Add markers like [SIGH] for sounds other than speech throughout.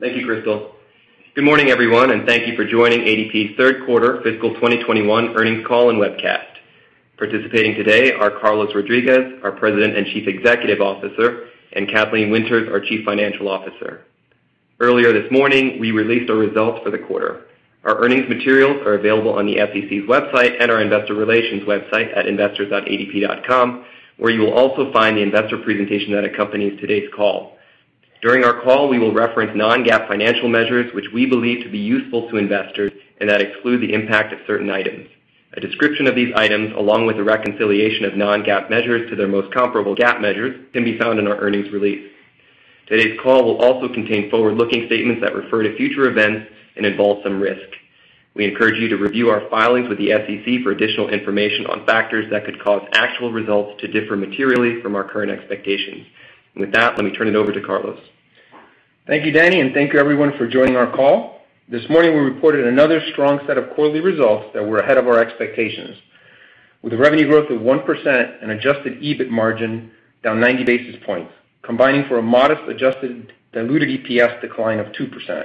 Thank you, Crystal. Good morning, everyone. Thank you for joining ADP's third quarter fiscal 2021 earnings call and webcast. Participating today are Carlos Rodriguez, our President and Chief Executive Officer, and Kathleen Winters, our Chief Financial Officer. Earlier this morning, we released our results for the quarter. Our earnings materials are available on the SEC's website and our investor relations website at investors.adp.com, where you will also find the investor presentation that accompanies today's call. During our call, we will reference non-GAAP financial measures, which we believe to be useful to investors and that exclude the impact of certain items. A description of these items, along with a reconciliation of non-GAAP measures to their most comparable GAAP measures, can be found in our earnings release. Today's call will also contain forward-looking statements that refer to future events and involve some risks. We encourage you to review our filings with the SEC for additional information on factors that could cause actual results to differ materially from our current expectations. With that, let me turn it over to Carlos. Thank you, Danny, and thank you everyone for joining our call. This morning, we reported another strong set of quarterly results that were ahead of our expectations. With a revenue growth of 1% and adjusted EBIT margin down 90 basis points, combining for a modest adjusted diluted EPS decline of 2%.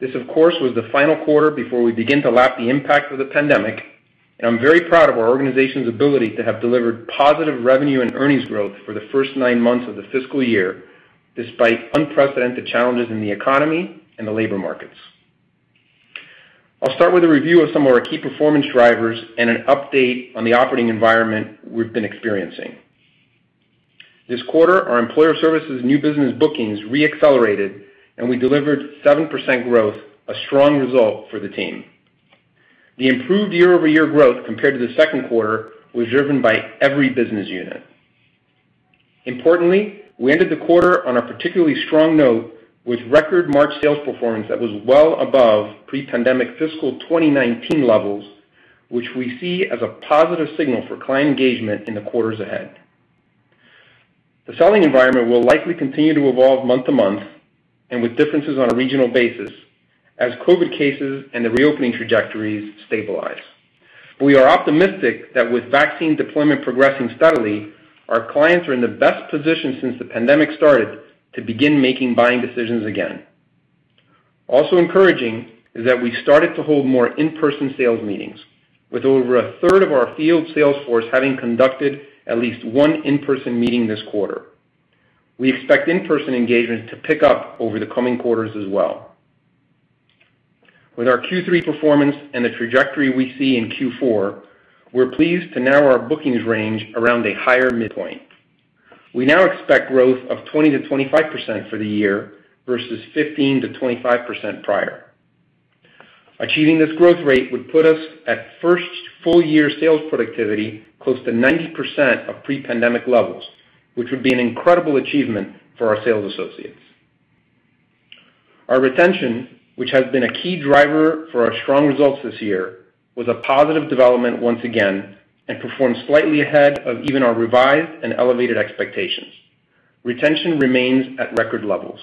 This, of course, was the final quarter before we begin to lap the impact of the pandemic, and I'm very proud of our organization's ability to have delivered positive revenue and earnings growth for the first nine months of the fiscal year, despite unprecedented challenges in the economy and the labor markets. I'll start with a review of some of our key performance drivers and an update on the operating environment we've been experiencing. This quarter, our Employer Services new business bookings re-accelerated, and we delivered 7% growth, a strong result for the team. The improved year-over-year growth compared to the second quarter was driven by every business unit. Importantly, we ended the quarter on a particularly strong note with record March sales performance that was well above pre-pandemic fiscal 2019 levels, which we see as a positive signal for client engagement in the quarters ahead. The selling environment will likely continue to evolve month-to-month, and with differences on a regional basis, as COVID cases and the reopening trajectories stabilize. We are optimistic that with vaccine deployment progressing steadily, our clients are in the best position since the pandemic started to begin making buying decisions again. Also encouraging is that we started to hold more in-person sales meetings, with over a third of our field sales force having conducted at least one in-person meeting this quarter. We expect in-person engagements to pick up over the coming quarters as well. With our Q3 performance and the trajectory we see in Q4, we're pleased to narrow our bookings range around a higher midpoint. We now expect growth of 20%-25% for the year versus 15%-25% prior. Achieving this growth rate would put us at first full-year sales productivity close to 90% of pre-pandemic levels, which would be an incredible achievement for our sales associates. Our retention, which has been a key driver for our strong results this year, was a positive development once again and performed slightly ahead of even our revised and elevated expectations. Retention remains at record levels.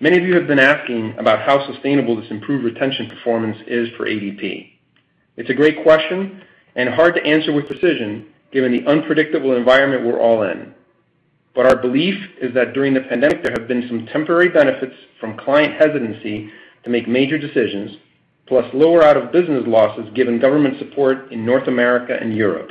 Many of you have been asking about how sustainable this improved retention performance is for ADP. It's a great question, and hard to answer with precision given the unpredictable environment we're all in. Our belief is that during the pandemic, there have been some temporary benefits from client hesitancy to make major decisions, plus lower out-of-business losses given government support in North America and Europe.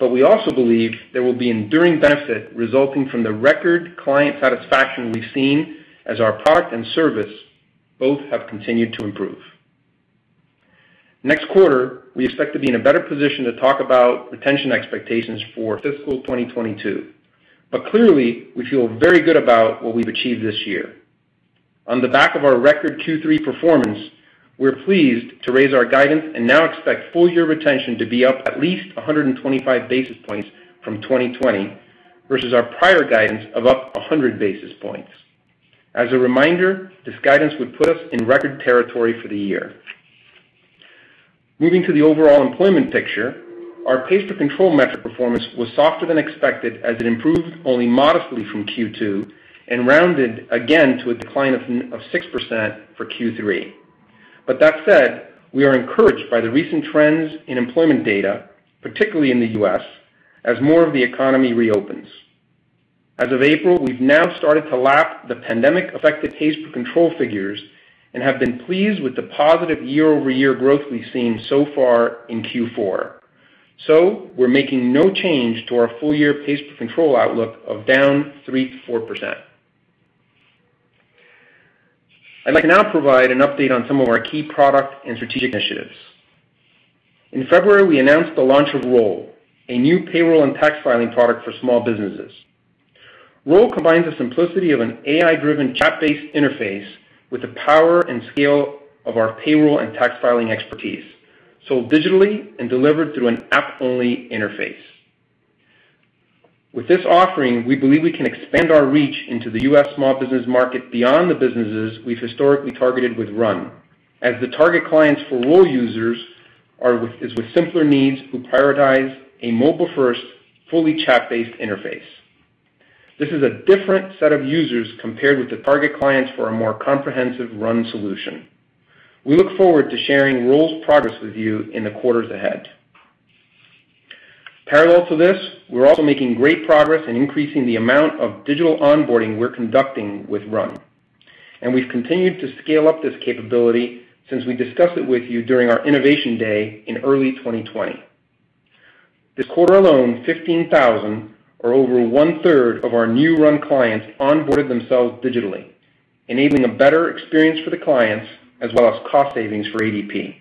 We also believe there will be enduring benefit resulting from the record client satisfaction we've seen as our product and service both have continued to improve. Next quarter, we expect to be in a better position to talk about retention expectations for fiscal 2022. Clearly, we feel very good about what we've achieved this year. On the back of our record Q3 performance, we're pleased to raise our guidance and now expect full-year retention to be up at least 125 basis points from 2020 versus our prior guidance of up 100 basis points. As a reminder, this guidance would put us in record territory for the year. Moving to the overall employment picture, our pays per control metric performance was softer than expected as it improved only modestly from Q2 and rounded again to a decline of 6% for Q3. That said, we are encouraged by the recent trends in employment data, particularly in the U.S., as more of the economy reopens. As of April, we've now started to lap the pandemic-affected pays per control figures and have been pleased with the positive year-over-year growth we've seen so far in Q4. We're making no change to our full-year pays per control outlook of down 3%-4%. I'd like to now provide an update on some of our key product and strategic initiatives. In February, we announced the launch of Roll, a new payroll and tax filing product for small businesses. Roll combines the simplicity of an AI-driven chat-based interface with the power and scale of our payroll and tax filing expertise, sold digitally and delivered through an app-only interface. With this offering, we believe we can expand our reach into the U.S. small business market beyond the businesses we've historically targeted with RUN, as the target clients for Roll users is with simpler needs who prioritize a mobile-first, fully chat-based interface. This is a different set of users compared with the target clients for a more comprehensive RUN solution. We look forward to sharing Roll's progress with you in the quarters ahead. Parallel to this, we're also making great progress in increasing the amount of digital onboarding we're conducting with RUN. We've continued to scale up this capability since we discussed it with you during our Innovation Day in early 2020. This quarter alone, 15,000 or over one-third of our new RUN clients onboarded themselves digitally, enabling a better experience for the clients as well as cost savings for ADP.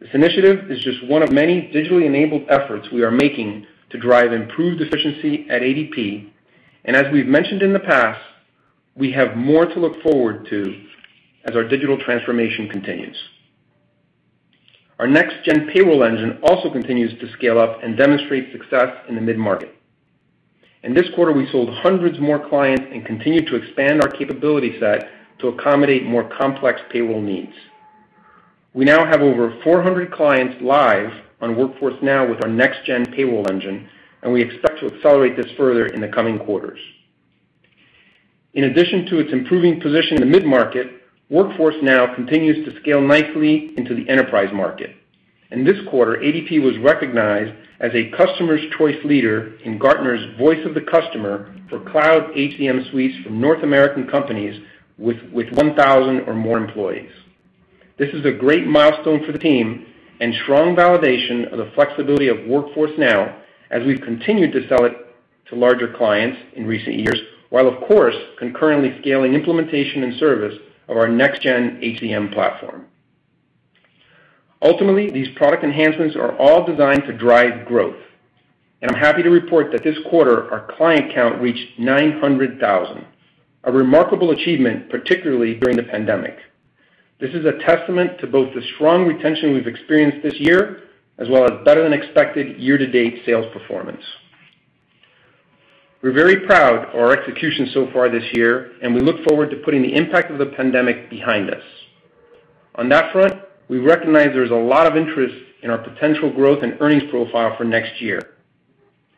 This initiative is just one of many digitally enabled efforts we are making to drive improved efficiency at ADP, and as we've mentioned in the past, we have more to look forward to as our digital transformation continues. Our Next Gen Payroll engine also continues to scale up and demonstrate success in the mid-market. In this quarter, we sold hundreds more clients and continued to expand our capability set to accommodate more complex payroll needs. We now have over 400 clients live on Workforce Now with our Next Gen Payroll engine, and we expect to accelerate this further in the coming quarters. In addition to its improving position in the mid-market, Workforce Now continues to scale nicely into the enterprise market. In this quarter, ADP was recognized as a customer's choice leader in Gartner's Voice of the Customer for Cloud HCM Suites from North American companies with 1,000 or more employees. This is a great milestone for the team and strong validation of the flexibility of Workforce Now as we've continued to sell it to larger clients in recent years, while of course, concurrently scaling implementation and service of our Next Gen HCM platform. Ultimately, these product enhancements are all designed to drive growth. I'm happy to report that this quarter, our client count reached 900,000, a remarkable achievement, particularly during the pandemic. This is a testament to both the strong retention we've experienced this year, as well as better than expected year-to-date sales performance. We're very proud of our execution so far this year, and we look forward to putting the impact of the pandemic behind us. On that front, we recognize there's a lot of interest in our potential growth and earnings profile for next year.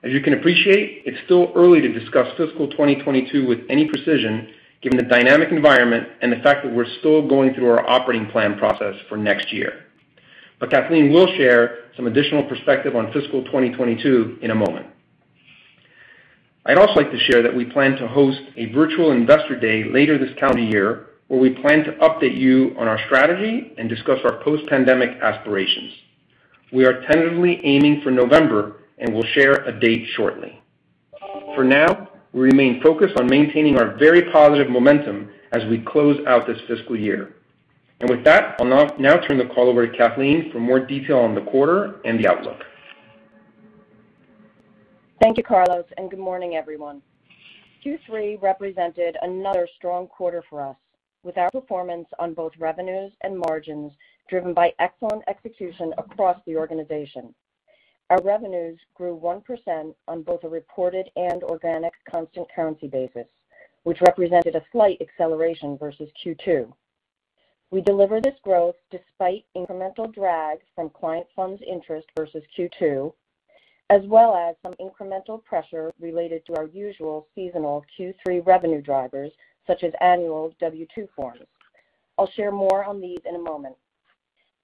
As you can appreciate, it's still early to discuss fiscal 2022 with any precision, given the dynamic environment and the fact that we're still going through our operating plan process for next year. Kathleen will share some additional perspective on fiscal 2022 in a moment. I'd also like to share that we plan to host a virtual Innovation Day later this calendar year, where we plan to update you on our strategy and discuss our post-pandemic aspirations. We are tentatively aiming for November and will share a date shortly. For now, we remain focused on maintaining our very positive momentum as we close out this fiscal year. With that, I'll now turn the call over to Kathleen for more detail on the quarter and the outlook. Thank you, Carlos, and good morning, everyone. Q3 represented another strong quarter for us with our performance on both revenues and margins driven by excellent execution across the organization. Our revenues grew 1% on both a reported and organic constant currency basis, which represented a slight acceleration versus Q2. We delivered this growth despite incremental drag from client funds interest versus Q2, as well as some incremental pressure related to our usual seasonal Q3 revenue drivers, such as annual W-2 forms. I'll share more on these in a moment.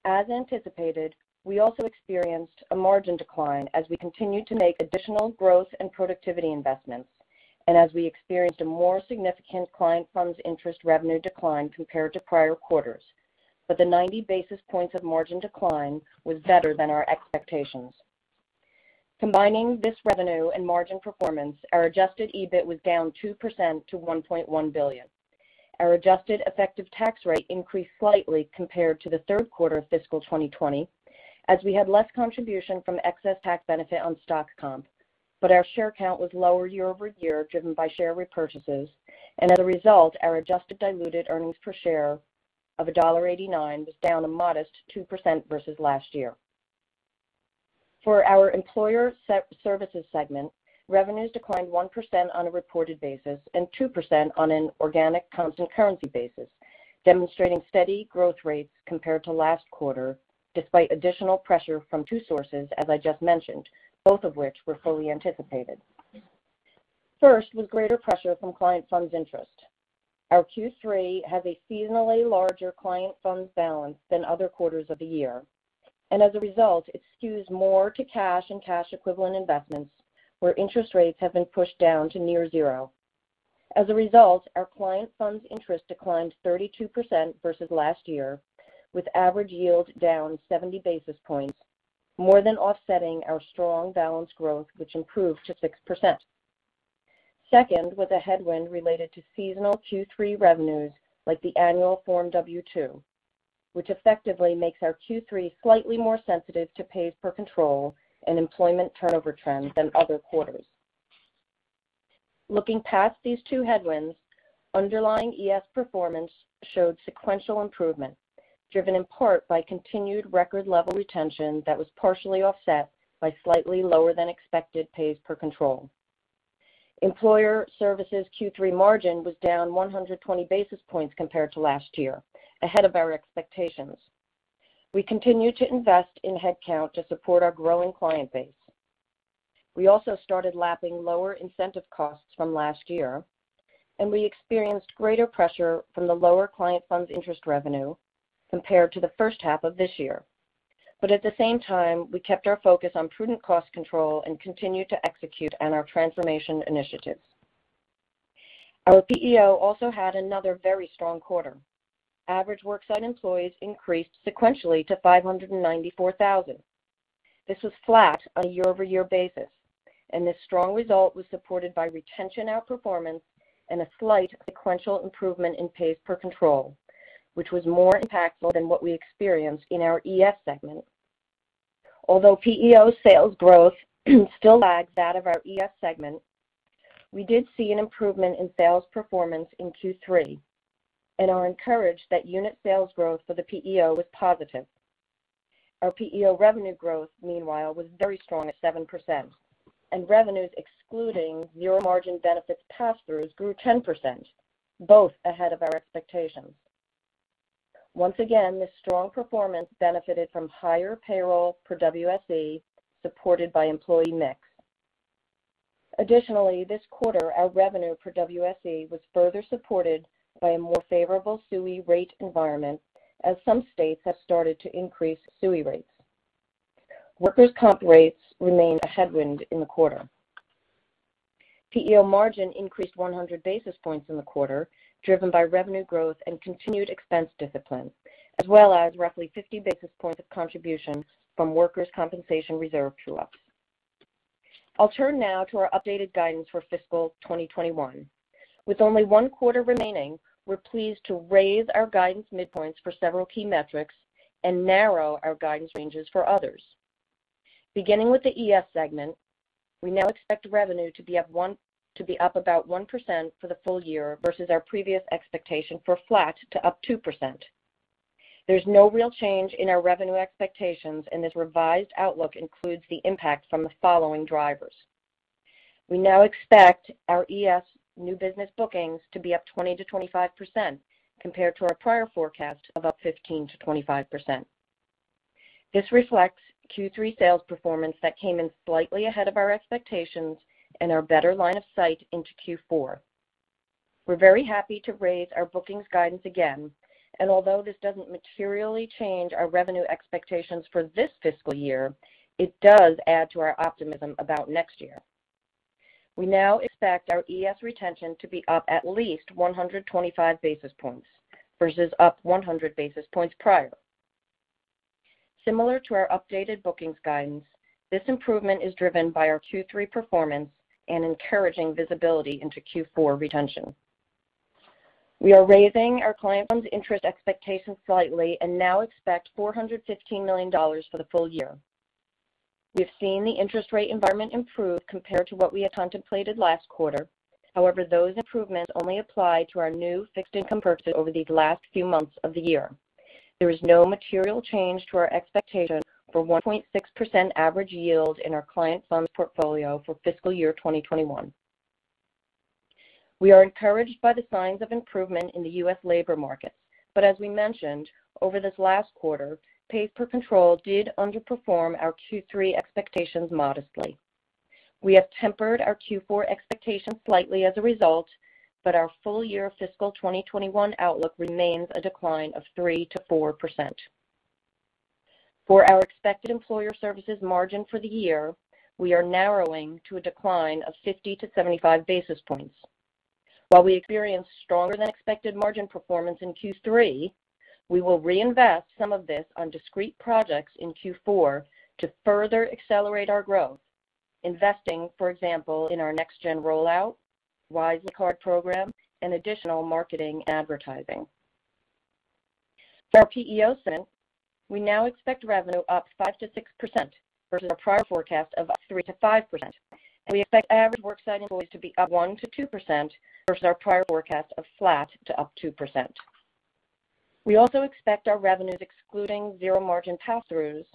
As anticipated, we also experienced a margin decline as we continued to make additional growth and productivity investments, and as we experienced a more significant client funds interest revenue decline compared to prior quarters. The 90 basis points of margin decline was better than our expectations. Combining this revenue and margin performance, our adjusted EBIT was down 2% to $1.1 billion. Our adjusted effective tax rate increased slightly compared to the third quarter of fiscal 2020, as we had less contribution from excess tax benefit on stock comp. Our share count was lower year-over-year, driven by share repurchases. As a result, our adjusted diluted earnings per share of $1.89 was down a modest 2% versus last year. For our Employer Services segment, revenues declined 1% on a reported basis and 2% on an organic constant currency basis, demonstrating steady growth rates compared to last quarter, despite additional pressure from two sources, as I just mentioned, both of which were fully anticipated. First was greater pressure from client funds interest. Our Q3 has a seasonally larger client funds balance than other quarters of the year, and as a result, it skews more to cash and cash equivalent investments, where interest rates have been pushed down to near zero. As a result, our client funds interest declined 32% versus last year, with average yield down 70 basis points, more than offsetting our strong balance growth, which improved to 6%. Second, was a headwind related to seasonal Q3 revenues like the annual Form W-2, which effectively makes our Q3 slightly more sensitive to pays per control and employment turnover trends than other quarters. Looking past these two headwinds, underlying ES performance showed sequential improvement, driven in part by continued record-level retention that was partially offset by slightly lower-than-expected pays per control. Employer Services Q3 margin was down 120 basis points compared to last year, ahead of our expectations. We continue to invest in headcount to support our growing client base. We also started lapping lower incentive costs from last year. We experienced greater pressure from the lower client funds interest revenue compared to the first half of this year. At the same time, we kept our focus on prudent cost control and continued to execute on our transformation initiatives. Our PEO also had another very strong quarter. Average worksite employees increased sequentially to 594,000. This was flat on a year-over-year basis. This strong result was supported by retention outperformance and a slight sequential improvement in pays per control, which was more impactful than what we experienced in our ES segment. Although PEO sales growth still lags that of our ES segment, we did see an improvement in sales performance in Q3 and are encouraged that unit sales growth for the PEO was positive. Our PEO revenue growth, meanwhile, was very strong at 7%, and revenues excluding zero-margin benefits pass-throughs grew 10%, both ahead of our expectations. Once again, this strong performance benefited from higher payroll per WSE, supported by employee mix. Additionally, this quarter, our revenue per WSE was further supported by a more favorable SUI rate environment as some states have started to increase SUI rates. Workers' comp rates remained a headwind in the quarter. PEO margin increased 100 basis points in the quarter, driven by revenue growth and continued expense discipline, as well as roughly 50 basis points of contribution from workers' compensation reserve true-ups. I'll turn now to our updated guidance for fiscal 2021. With only one quarter remaining, we're pleased to raise our guidance midpoints for several key metrics and narrow our guidance ranges for others. Beginning with the ES segment, we now expect revenue to be up about 1% for the full year versus our previous expectation for flat to up 2%. There's no real change in our revenue expectations and this revised outlook includes the impact from the following drivers. We now expect our ES new business bookings to be up 20%-25% compared to our prior forecast of up 15%-25%. This reflects Q3 sales performance that came in slightly ahead of our expectations and our better line of sight into Q4. We're very happy to raise our bookings guidance again, Although this doesn't materially change our revenue expectations for this fiscal year, it does add to our optimism about next year. We now expect our ES retention to be up at least 125 basis points versus up 100 basis points prior. Similar to our updated bookings guidance, this improvement is driven by our Q3 performance and encouraging visibility into Q4 retention. We are raising our client funds interest expectations slightly and now expect $415 million for the full year. We have seen the interest rate environment improve compared to what we had contemplated last quarter. Those improvements only apply to our new fixed income purchases over these last few months of the year. There is no material change to our expectation for 1.6% average yield in our client funds portfolio for fiscal year 2021. We are encouraged by the signs of improvement in the U.S. labor markets. As we mentioned, over this last quarter, pays per control did underperform our Q3 expectations modestly. We have tempered our Q4 expectations slightly as a result, but our full-year fiscal 2021 outlook remains a decline of 3%-4%. For our expected Employer Services margin for the year, we are narrowing to a decline of 50-75 basis points. While we experienced stronger than expected margin performance in Q3, we will reinvest some of this on discrete projects in Q4 to further accelerate our growth, investing, for example, in our Next Gen rollout, Wisely card program, and additional marketing and advertising. For our PEO segment, we now expect revenue up 5%-6% versus our prior forecast of up 3%-5%, and we expect average worksite employees to be up 1%-2% versus our prior forecast of flat to up 2%. We also expect our revenues excluding zero-margin pass-throughs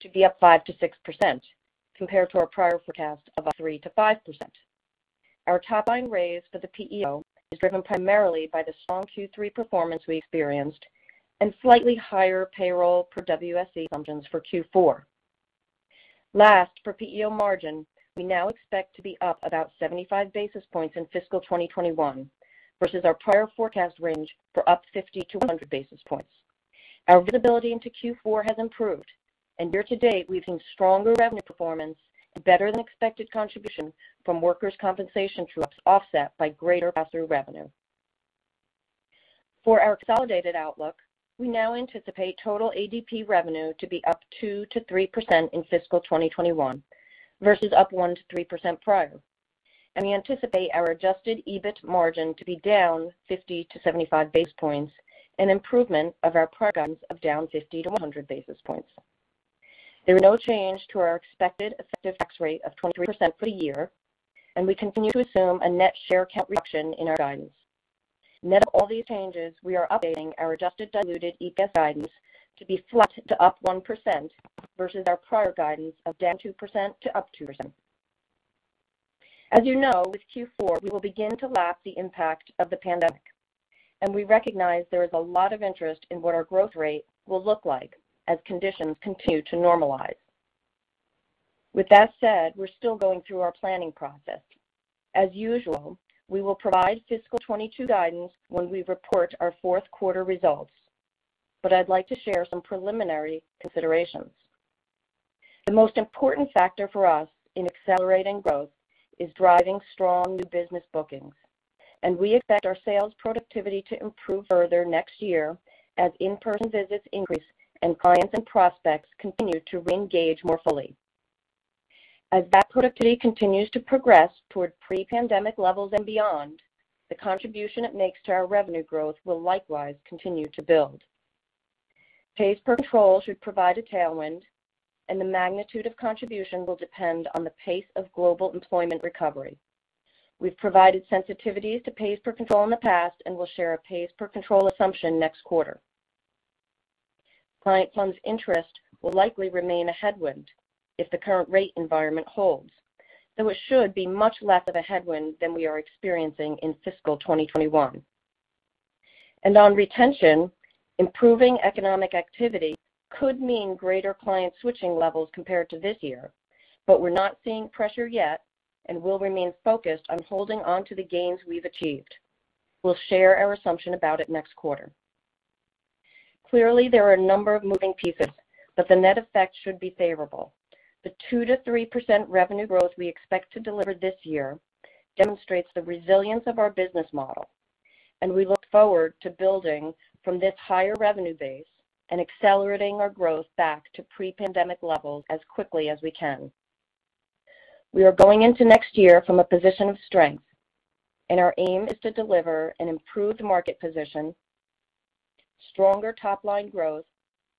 to be up 5%-6%, compared to our prior forecast of up 3%-5%. Our top-line raise for the PEO is driven primarily by the strong Q3 performance we experienced and slightly higher payroll per WSE assumptions for Q4. Last, for PEO margin, we now expect to be up about 75 basis points in fiscal 2021 versus our prior forecast range for up 50-100 basis points. Our visibility into Q4 has improved. Year-to-date, we've seen stronger revenue performance and better-than-expected contribution from workers' compensation true-ups offset by greater pass-through revenue. For our consolidated outlook, we now anticipate total ADP revenue to be up 2%-3% in fiscal 2021 versus up 1%-3% prior. We anticipate our adjusted EBIT margin to be down 50-75 basis points, an improvement of our prior guidance of down 50-100 basis points. There is no change to our expected effective tax rate of 23% for the year, and we continue to assume a net share count reduction in our guidance. Net of all these changes, we are updating our adjusted diluted EPS guidance to be flat to up 1% versus our prior guidance of down 2% to up 2%. As you know, with Q4, we will begin to lap the impact of the pandemic, and we recognize there is a lot of interest in what our growth rate will look like as conditions continue to normalize. With that said, we're still going through our planning process. As usual, we will provide fiscal 2022 guidance when we report our fourth quarter results. I'd like to share some preliminary considerations. The most important factor for us in accelerating growth is driving strong new business bookings, and we expect our sales productivity to improve further next year as in-person visits increase and clients and prospects continue to reengage more fully. As that productivity continues to progress toward pre-pandemic levels and beyond, the contribution it makes to our revenue growth will likewise continue to build. Pays per control should provide a tailwind, and the magnitude of contribution will depend on the pace of global employment recovery. We've provided sensitivities to pays per control in the past, and we'll share a pays per control assumption next quarter. Client funds interest will likely remain a headwind if the current rate environment holds, though it should be much less of a headwind than we are experiencing in fiscal 2021. On retention, improving economic activity could mean greater client switching levels compared to this year, but we're not seeing pressure yet and will remain focused on holding onto the gains we've achieved. We'll share our assumption about it next quarter. Clearly, there are a number of moving pieces, but the net effect should be favorable. The 2%-3% revenue growth we expect to deliver this year demonstrates the resilience of our business model, and we look forward to building from this higher revenue base and accelerating our growth back to pre-pandemic levels as quickly as we can. We are going into next year from a position of strength, and our aim is to deliver an improved market position, stronger top-line growth,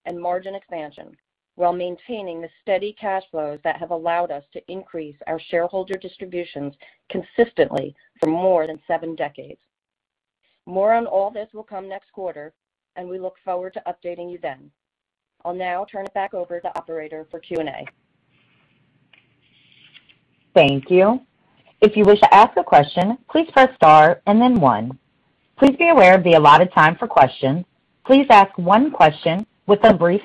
and margin expansion while maintaining the steady cash flows that have allowed us to increase our shareholder distributions consistently for more than seven decades. More on all this will come next quarter, and we look forward to updating you then. I'll now turn it back over to operator for Q&A. Thank you. If you wish to ask a question, please press star and then one. Please be aware of the allotted time for questions. Please ask one question with a brief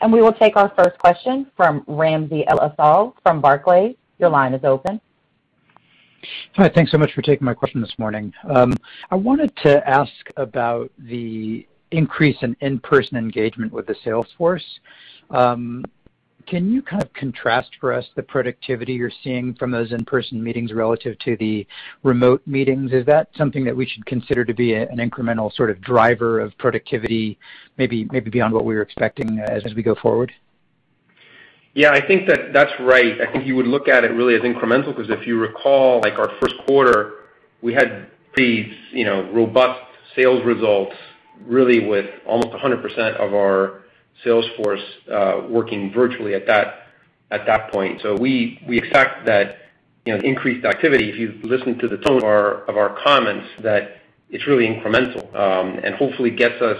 follow-up. We will take our first question from Ramsey El-Assal from Barclays. Your line is open. Hi, thanks so much for taking my question this morning. I wanted to ask about the increase in in-person engagement with the sales force. Can you kind of contrast for us the productivity you're seeing from those in-person meetings relative to the remote meetings? Is that something that we should consider to be an incremental sort of driver of productivity, maybe beyond what we were expecting as we go forward? Yeah, I think that that's right. I think you would look at it really as incremental, because if you recall, like our first quarter, we had these robust sales results really with almost 100% of our sales force working virtually at that point. We expect that increased activity, if you listen to the tone of our comments, that it's really incremental, and hopefully gets us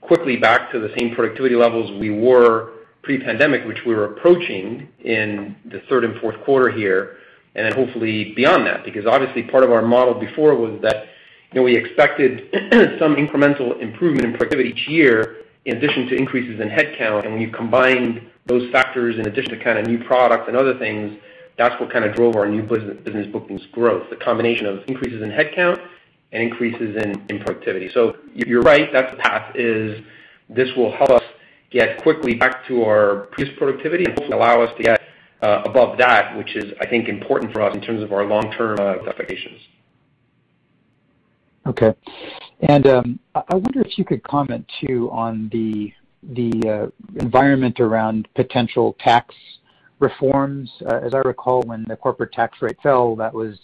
quickly back to the same productivity levels we were pre-pandemic, which we were approaching in the third and fourth quarter here, and then hopefully beyond that. Obviously part of our model before was that we expected some incremental improvement in productivity each year in addition to increases in headcount. When you combine those factors in addition to kind of new products and other things, that's what kind of drove our new business bookings growth, the combination of increases in headcount and increases in productivity. You're right, that's the path is this will help us get quickly back to our previous productivity and hopefully allow us to get above that, which is, I think, important for us in terms of our long-term growth applications. Okay. I wonder if you could comment, too, on the environment around potential tax reforms. As I recall, when the corporate tax rate fell, that was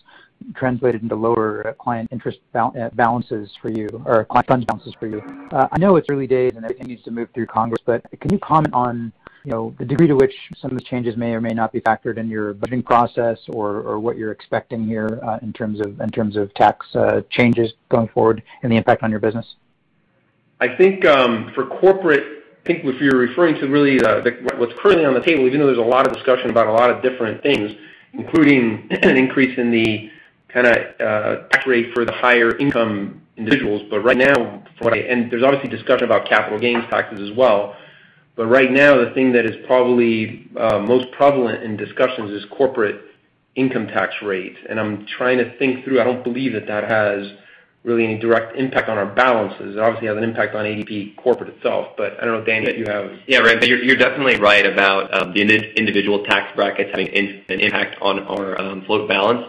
translated into lower client interest balances for you, or client funds balances for you. I know it's early days and everything needs to move through Congress, but can you comment on the degree to which some of the changes may or may not be factored in your budgeting process or what you're expecting here in terms of tax changes going forward and the impact on your business? I think for corporate, I think if you're referring to really what's currently on the table, even though there's a lot of discussion about a lot of different things, including an increase in the kind of tax rate for the higher-income individuals. Right now, there's obviously discussion about capital gains taxes as well, but right now the thing that is probably most prevalent in discussions is corporate income tax rates. I'm trying to think through, I don't believe that that has really any direct impact on our balances. It obviously has an impact on ADP corporate itself. I don't know, Danny. Yeah, Ramsey, you're definitely right about the individual tax brackets having an impact on our float balance.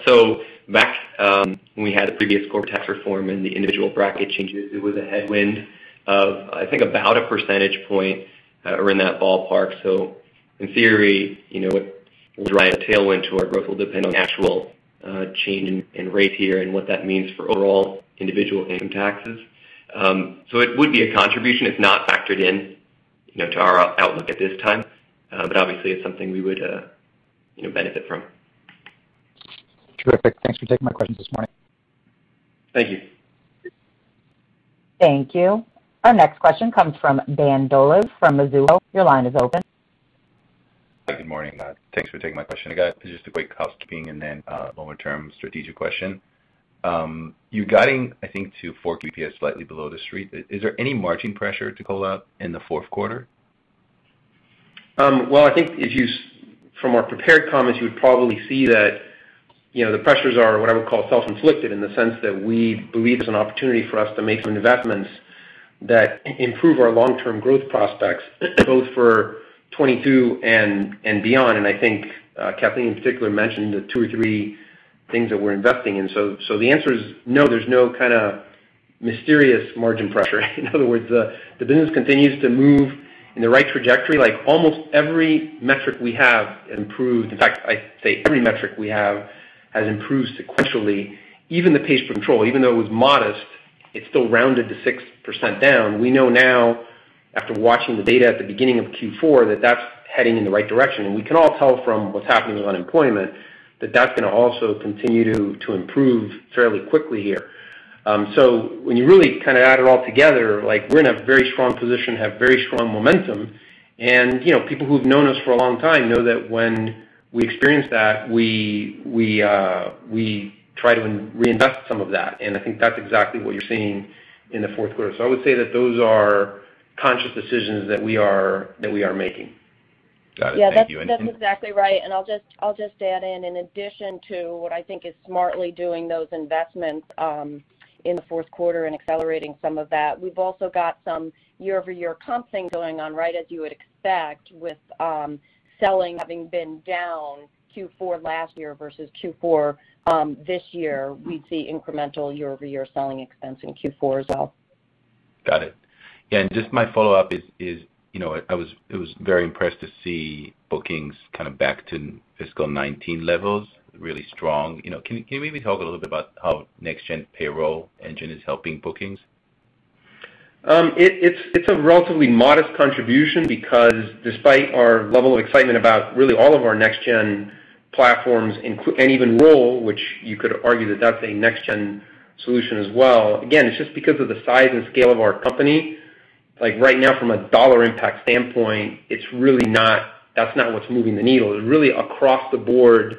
Back when we had the previous corporate tax reform and the individual bracket changes, it was a headwind of, I think, about a percentage point or in that ballpark. In theory, whether it's a headwind or tailwind to our growth will depend on the actual change in rate here and what that means for overall individual income taxes. It would be a contribution. It's not factored in to our outlook at this time. Obviously, it's something we would benefit from. Terrific. Thanks for taking my questions this morning. Thank you. Thank you. Our next question comes from Dan Dolev from Mizuho. Your line is open. Good morning. Thanks for taking my question. I got just a quick housekeeping and then a longer-term strategic question. You're guiding, I think, to 4Q EPS slightly below the street. Is there any margin pressure to call out in the fourth quarter? Well, I think from our prepared comments, you would probably see that the pressures are what I would call self-inflicted, in the sense that we believe there's an opportunity for us to make some investments that improve our long-term growth prospects, both for 2022 and beyond. I think Kathleen, in particular, mentioned the two or three things that we're investing in. The answer is no, there's no kind of mysterious margin pressure. In other words, the business continues to move in the right trajectory. Almost every metric we have improved. In fact, I say every metric we have has improved sequentially. Even the pays per control, even though it was modest, it still rounded to 6% down. We know now, after watching the data at the beginning of Q4, that that's heading in the right direction. We can all tell from what's happening with unemployment that that's going to also continue to improve fairly quickly here. When you really add it all together, we're in a very strong position, have very strong momentum. People who have known us for a long time know that when we experience that, we try to reinvest some of that. I think that's exactly what you're seeing in the fourth quarter. I would say that those are conscious decisions that we are making. Got it. Thank you. Yeah, that's exactly right. I'll just add in addition to what I think is smartly doing those investments in the fourth quarter and accelerating some of that, we've also got some year-over-year comp thing going on, right as you would expect with selling having been down Q4 last year versus Q4 this year. We'd see incremental year-over-year selling expense in Q4 as well. Got it. Just my follow-up is, I was very impressed to see bookings back to fiscal 2019 levels. Really strong. Can you maybe talk a little bit about how Next Gen Payroll engine is helping bookings? It's a relatively modest contribution because despite our level of excitement about really all of our Next Gen platforms, and even Roll, which you could argue that that's a Next Gen solution as well. Again, it's just because of the size and scale of our company. Right now, from a dollar impact standpoint, that's not what's moving the needle. Really across the board,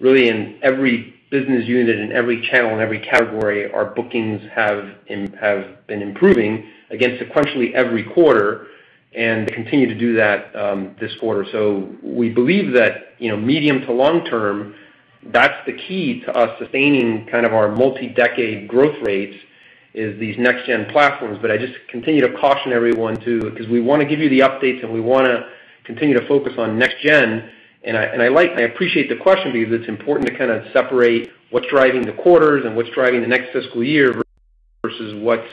really in every business unit and every channel and every category, our bookings have been improving, again, sequentially every quarter, and continue to do that this quarter. We believe that medium to long term, that's the key to us sustaining our multi-decade growth rates, is these Next Gen platforms. I just continue to caution everyone, too, because we want to give you the updates, and we want to continue to focus on Next Gen. I appreciate the question because it's important to separate what's driving the quarters and what's driving the next fiscal year versus what's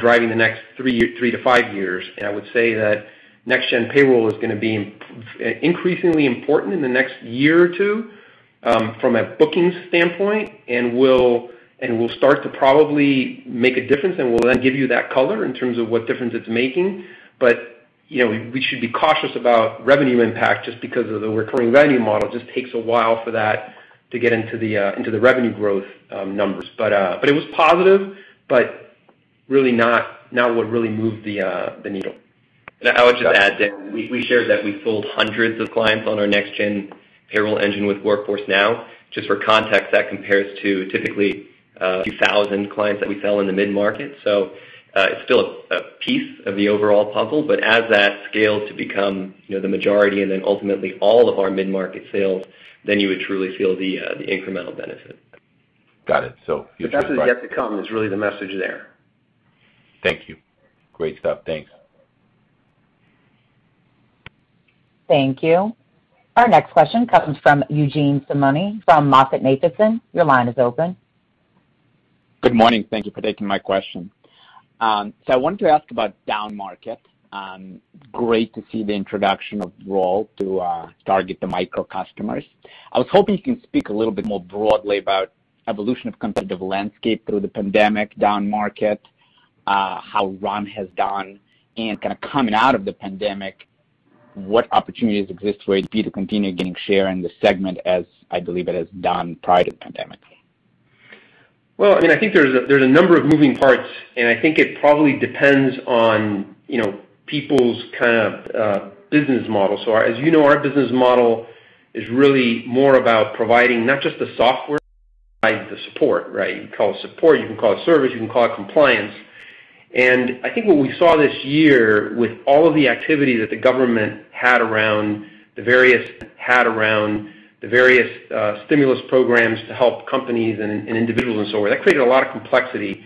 driving the next three to five years. I would say that Next Gen Payroll is going to be increasingly important in the next year or two from a bookings standpoint, and will start to probably make a difference, and we'll then give you that color in terms of what difference it's making. We should be cautious about revenue impact just because of the recurring revenue model. It just takes a while for that to get into the revenue growth numbers. It was positive, but really not what really moved the needle. Got it. I would just add that we shared that we sold hundreds of clients on our Next Gen Payroll engine with Workforce Now. Just for context, that compares to typically a few thousand clients that we sell in the mid-market. It's still a piece of the overall puzzle, but as that scales to become the majority and then ultimately all of our mid-market sales, then you would truly feel the incremental benefit. Got it. The best is yet to come is really the message there. Thank you. Great stuff. Thanks. Thank you. Our next question comes from Eugene Simuni from MoffettNathanson. Your line is open. Good morning. Thank you for taking my question. I wanted to ask about down market. Great to see the introduction of Roll to target the micro customers. I was hoping you can speak a little bit more broadly about evolution of competitive landscape through the pandemic, downmarket, how RUN has done, and coming out of the pandemic, what opportunities exist for ADP to continue getting share in this segment, as I believe it has done prior to the pandemic? I think there's a number of moving parts, and I think it probably depends on people's business model. As you know, our business model is really more about providing not just the software [INAUDIBLE] the support, right? You can call it support, you can call it service, you can call it compliance. I think what we saw this year with all of the activity that the government had around the various stimulus programs to help companies and individuals and so on, that created a lot of complexity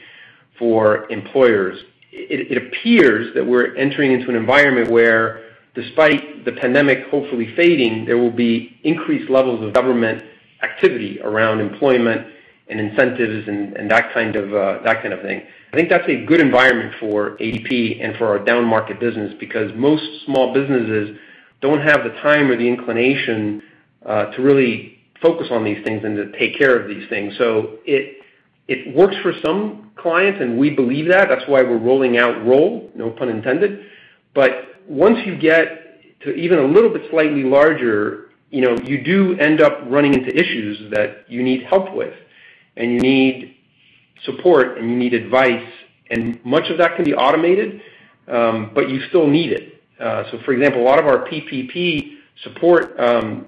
for employers. It appears that we're entering into an environment where, despite the pandemic hopefully fading, there will be increased levels of government activity around employment and incentives and that kind of thing. I think that's a good environment for ADP and for our downmarket business, because most small businesses don't have the time or the inclination to really focus on these things and to take care of these things. It works for some clients, and we believe that. That's why we're rolling out Roll, no pun intended. Once you get to even a little bit slightly larger, you do end up running into issues that you need help with, and you need support and you need advice, and much of that can be automated, but you still need it. For example, a lot of our PPP support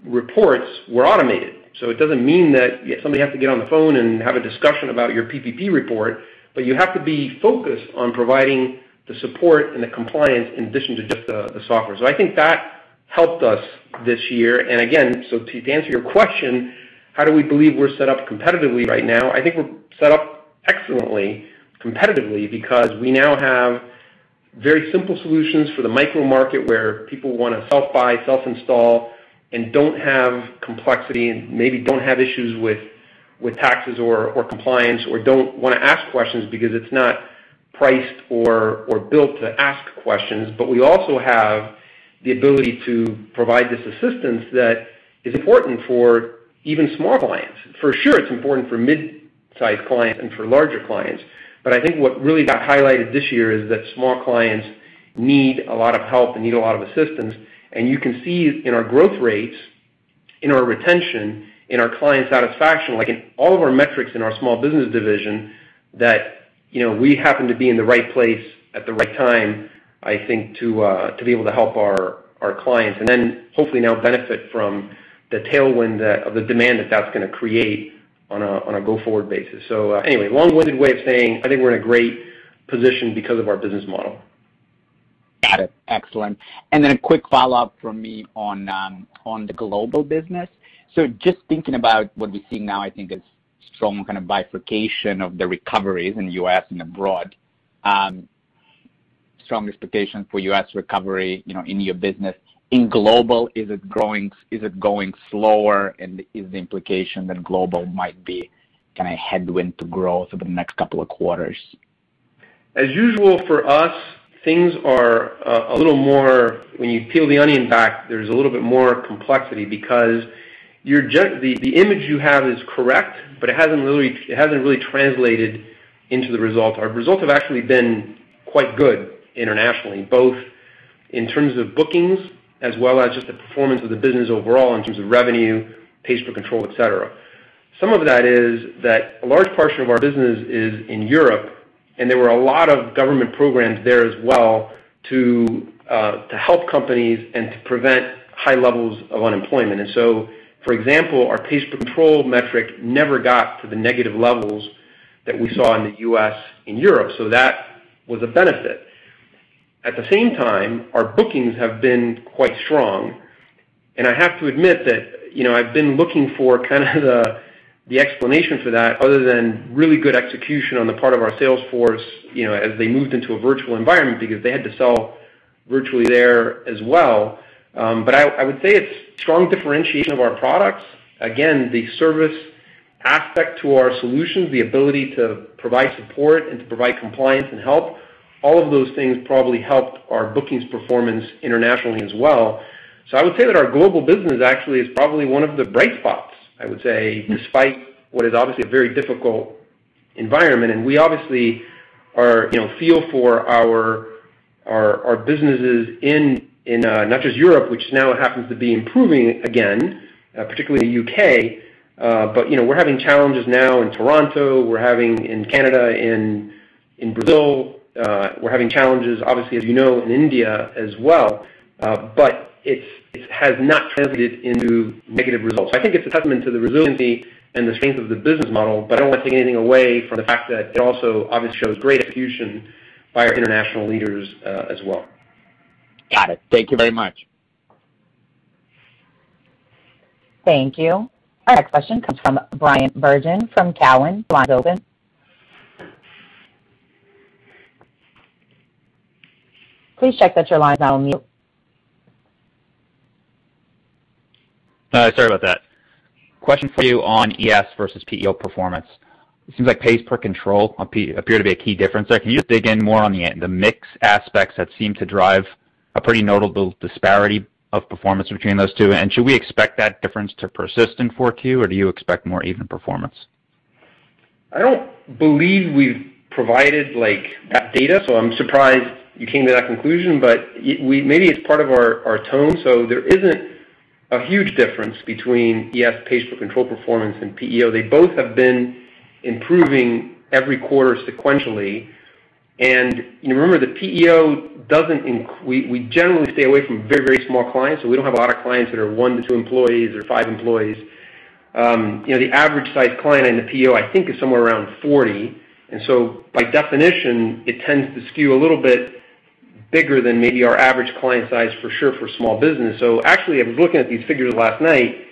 reports were automated. It doesn't mean that somebody has to get on the phone and have a discussion about your PPP report, but you have to be focused on providing the support and the compliance in addition to just the software. I think that helped us this year. To answer your question, how do we believe we're set up competitively right now, I think we're set up excellently competitively because we now have very simple solutions for the micro market where people want to self-buy, self-install, and don't have complexity and maybe don't have issues with taxes or compliance or don't want to ask questions because it's not priced or built to ask questions. We also have the ability to provide this assistance that is important for even small clients. For sure, it's important for mid-size clients and for larger clients. I think what really got highlighted this year is that small clients need a lot of help and need a lot of assistance. You can see in our growth rates, in our retention, in our client satisfaction, like in all of our metrics in our small business division, that we happen to be in the right place at the right time, I think, to be able to help our clients, and then hopefully now benefit from the tailwind of the demand that's going to create on a go-forward basis. Anyway, long-winded way of saying, I think we're in a great position because of our business model. Got it. Excellent. A quick follow-up from me on the global business. Just thinking about what we see now, I think a strong kind of bifurcation of the recoveries in the U.S. and abroad. Strong expectation for U.S. recovery in your business. In global, is it going slower, and is the implication that global might be kind of headwind to growth over the next couple of quarters? As usual for us, things are a little more, when you peel the onion back, there's a little bit more complexity because the image you have is correct, but it hasn't really translated into the result. Our results have actually been quite good internationally, both in terms of bookings as well as just the performance of the business overall in terms of revenue, pays per control, et cetera. Some of that is that a large portion of our business is in Europe, and there were a lot of government programs there as well to help companies and to prevent high levels of unemployment. For example, our pays per control metric never got to the negative levels that we saw in the U.S. in Europe. That was a benefit. At the same time, our bookings have been quite strong. I have to admit that I've been looking for kind of the explanation for that other than really good execution on the part of our sales force as they moved into a virtual environment because they had to sell virtually there as well. I would say it's strong differentiation of our products. Again, the service aspect to our solutions, the ability to provide support and to provide compliance and help, all of those things probably helped our bookings performance internationally as well. I would say that our global business actually is probably one of the bright spots, I would say, despite what is obviously a very difficult environment. We obviously feel for our businesses in not just Europe, which now happens to be improving again, particularly the U.K., but we're having challenges now in Toronto, we're having in Canada, in Brazil, we're having challenges, obviously, as you know, in India as well, but it has not translated into negative results. I think it's a testament to the resiliency and the strength of the business model, but I don't want to take anything away from the fact that it also obviously shows great execution by our international leaders as well. Got it. Thank you very much. Thank you. Our next question comes from Bryan Bergin from Cowen. Your line is open. Please check that your line is not on mute. Sorry about that. Question for you on ES versus PEO performance. It seems like pays per control appears to be a key differentiator. Can you just dig in more on the mix aspects that seem to drive a pretty notable disparity of performance between those two? Should we expect that difference to persist in 4Q, or do you expect more even performance? I don't believe we've provided that data, so I'm surprised you came to that conclusion, but maybe it's part of our tone. There isn't a huge difference between ES pays per control performance and PEO. They both have been improving every quarter sequentially. Remember, the PEO. We generally stay away from very small clients, so we don't have a lot of clients that are one to two employees or five employees. The average size client in the PEO, I think, is somewhere around 40. By definition, it tends to skew a little bit bigger than maybe our average client size for sure for small business. Actually, I was looking at these figures last night,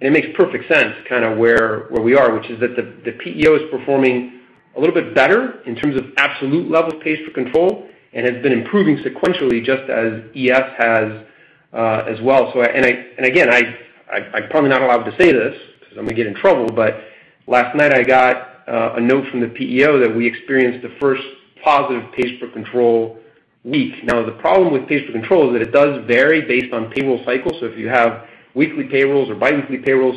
and it makes perfect sense kind of where we are, which is that the PEO is performing a little bit better in terms of absolute level of pays per control and has been improving sequentially just as ES has as well. Again, I'm probably not allowed to say this because I'm going to get in trouble, but last night I got a note from the PEO that we experienced the first positive pays per control week. The problem with pays per control is that it does vary based on payroll cycles. If you have weekly payrolls or biweekly payrolls.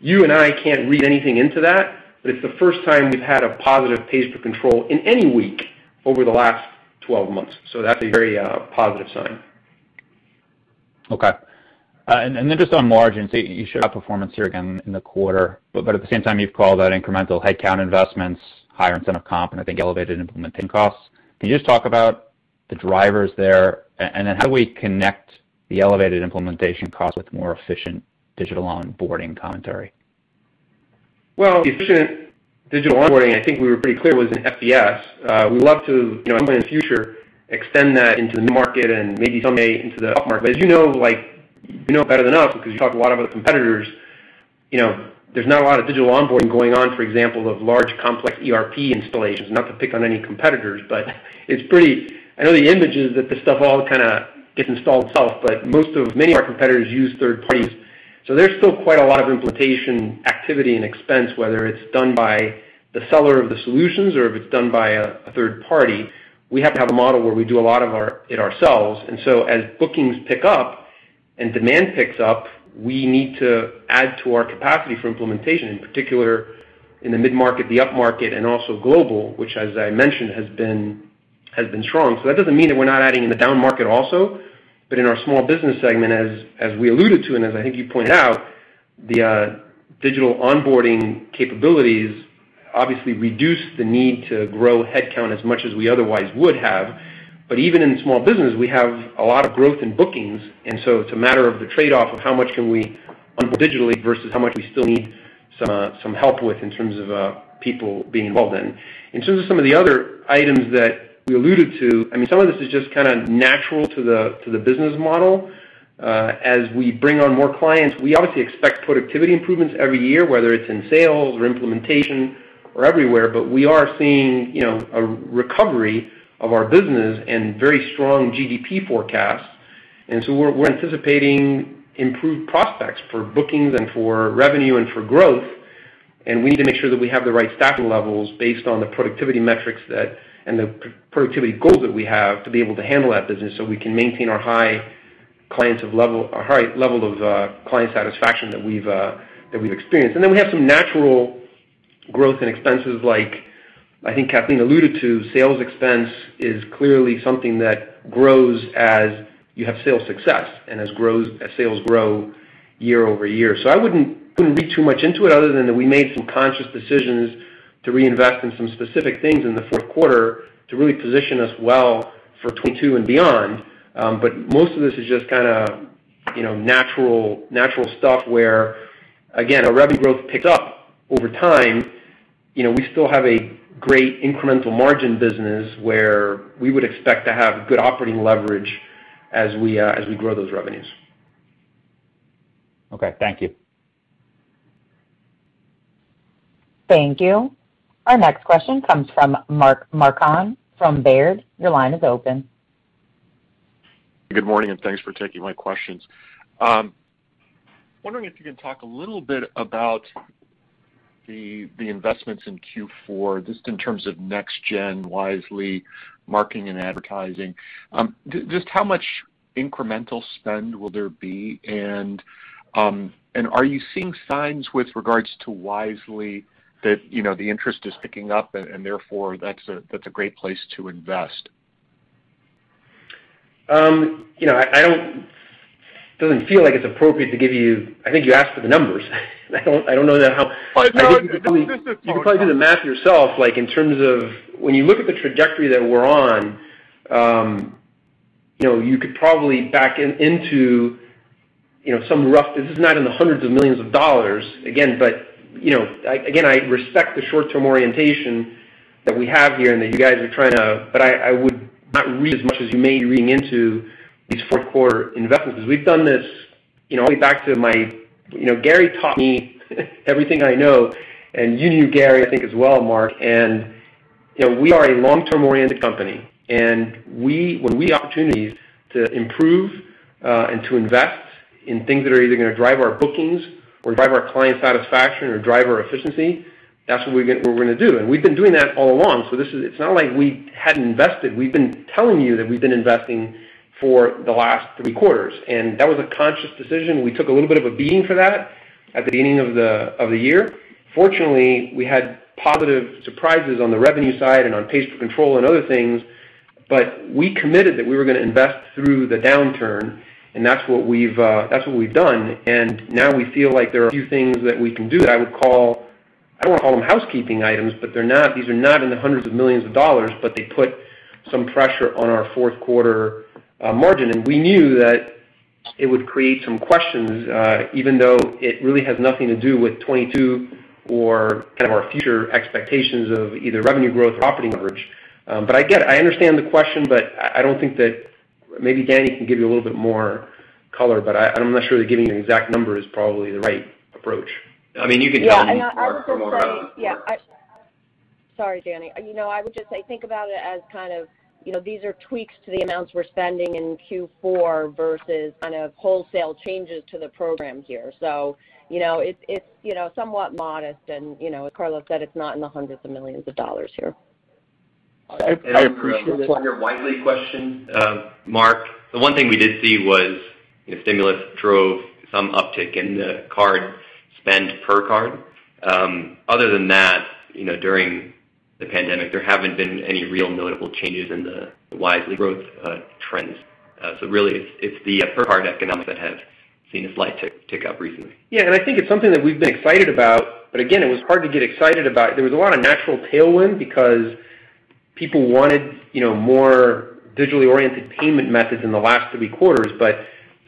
You and I can't read anything into that, but it's the first time we've had a positive pays per control in any week over the last 12 months. That's a very positive sign. Okay. Just on margins, you showed outperformance here again in the quarter, at the same time, you've called out incremental headcount investments, higher incentive comp, and I think elevated implementation costs. Can you just talk about the drivers there, how do we connect the elevated implementation cost with more efficient digital onboarding commentary? Well, the efficient digital onboarding, I think we were pretty clear, was in SBS. We would love to, hopefully in the future, extend that into the new market and maybe someday into the upmarket. As you know better than us, because you talk a lot about the competitors, there's not a lot of digital onboarding going on, for example, of large, complex ERP installations. Not to pick on any competitors, but I know the image is that this stuff all kind of gets installed itself, but many of our competitors use third parties. There's still quite a lot of implementation activity and expense, whether it's done by the seller of the solutions or if it's done by a third party. We happen to have a model where we do a lot of it ourselves. As bookings pick up and demand picks up, we need to add to our capacity for implementation, in particular in the mid-market, the upmarket, and also global, which, as I mentioned, has been strong. That doesn't mean that we're not adding in the downmarket also. In our small business segment, as we alluded to and as I think you pointed out, the digital onboarding capabilities obviously reduce the need to grow headcount as much as we otherwise would have. Even in small business, we have a lot of growth in bookings. It's a matter of the trade-off of how much can we onboard digitally versus how much we still need some help with in terms of people being involved in. In terms of some of the other items that we alluded to, some of this is just kind of natural to the business model. As we bring on more clients, we obviously expect productivity improvements every year, whether it's in sales or implementation or everywhere. We are seeing a recovery of our business and very strong GDP forecasts, we're anticipating improved prospects for bookings and for revenue and for growth, we need to make sure that we have the right staffing levels based on the productivity metrics and the productivity goals that we have to be able to handle that business so we can maintain our high level of client satisfaction that we've experienced. Then we have some natural growth in expenses like I think Kathleen alluded to. Sales expense is clearly something that grows as you have sales success and as sales grow year-over-year. I wouldn't read too much into it other than that we made some conscious decisions to reinvest in some specific things in the fourth quarter to really position us well for 2022 and beyond. Most of this is just kind of natural stuff where, again, our revenue growth picks up over time. We still have a great incremental margin business where we would expect to have good operating leverage as we grow those revenues. Okay. Thank you. Thank you. Our next question comes from Mark Marcon from Baird. Your line is open. Good morning. Thanks for taking my questions. I'm wondering if you can talk a little bit about the investments in Q4, just in terms of Next Gen Wisely marketing and advertising. Just how much incremental spend will there be? Are you seeing signs with regards to Wisely that the interest is picking up and therefore that's a great place to invest? It doesn't feel like it's appropriate to give you I think you asked for the numbers. No, this is more. You can probably do the math yourself, like in terms of when you look at the trajectory that we're on, you could probably back into some rough. This is not in the hundreds of millions of dollars, again. Again, I respect the short-term orientation that we have here and that you guys are trying to, but I would not read as much as you may be reading into these fourth quarter investments, because we've done this all the way back to Gary taught me everything I know, and you knew Gary, I think, as well, Mark. We are a long-term-oriented company, and when we have opportunities to improve and to invest in things that are either going to drive our bookings or drive our client satisfaction or drive our efficiency, that's what we're going to do. We've been doing that all along. It's not like we hadn't invested. We've been telling you that we've been investing for the last three quarters. That was a conscious decision. We took a little bit of a beating for that at the beginning of the year. Fortunately, we had positive surprises on the revenue side and on pays per control and other things. We committed that we were going to invest through the downturn, and that's what we've done. Now we feel like there are a few things that we can do that I would call, I don't want to call them housekeeping items, but these are not in the hundreds of millions of dollars, but they put some pressure on our fourth quarter margin. We knew that it would create some questions, even though it really has nothing to do with 2022 or kind of our future expectations of either revenue growth or operating leverage. I get it. I understand the question, but I don't think that Maybe Danny can give you a little bit more color, but I'm not sure that giving you an exact number is probably the right approach. [CROSSTALK] Yeah. Sorry, Danny. I would just say, think about it as kind of these are tweaks to the amounts we're spending in Q4 versus kind of wholesale changes to the program here. It's somewhat modest, and as Carlos said, it's not in the hundreds of millions of dollars here. I appreciate the question. On your Wisely question, Mark, the one thing we did see was stimulus drove some uptick in the card spend per card. Other than that, the pandemic, there haven't been any real notable changes in the Wisely growth trends. Really, it's the hard economics that have seen a slight tick up recently. Yeah. I think it's something that we've been excited about, but again, it was hard to get excited about. There was a lot of natural tailwind because people wanted more digitally oriented payment methods in the last three quarters.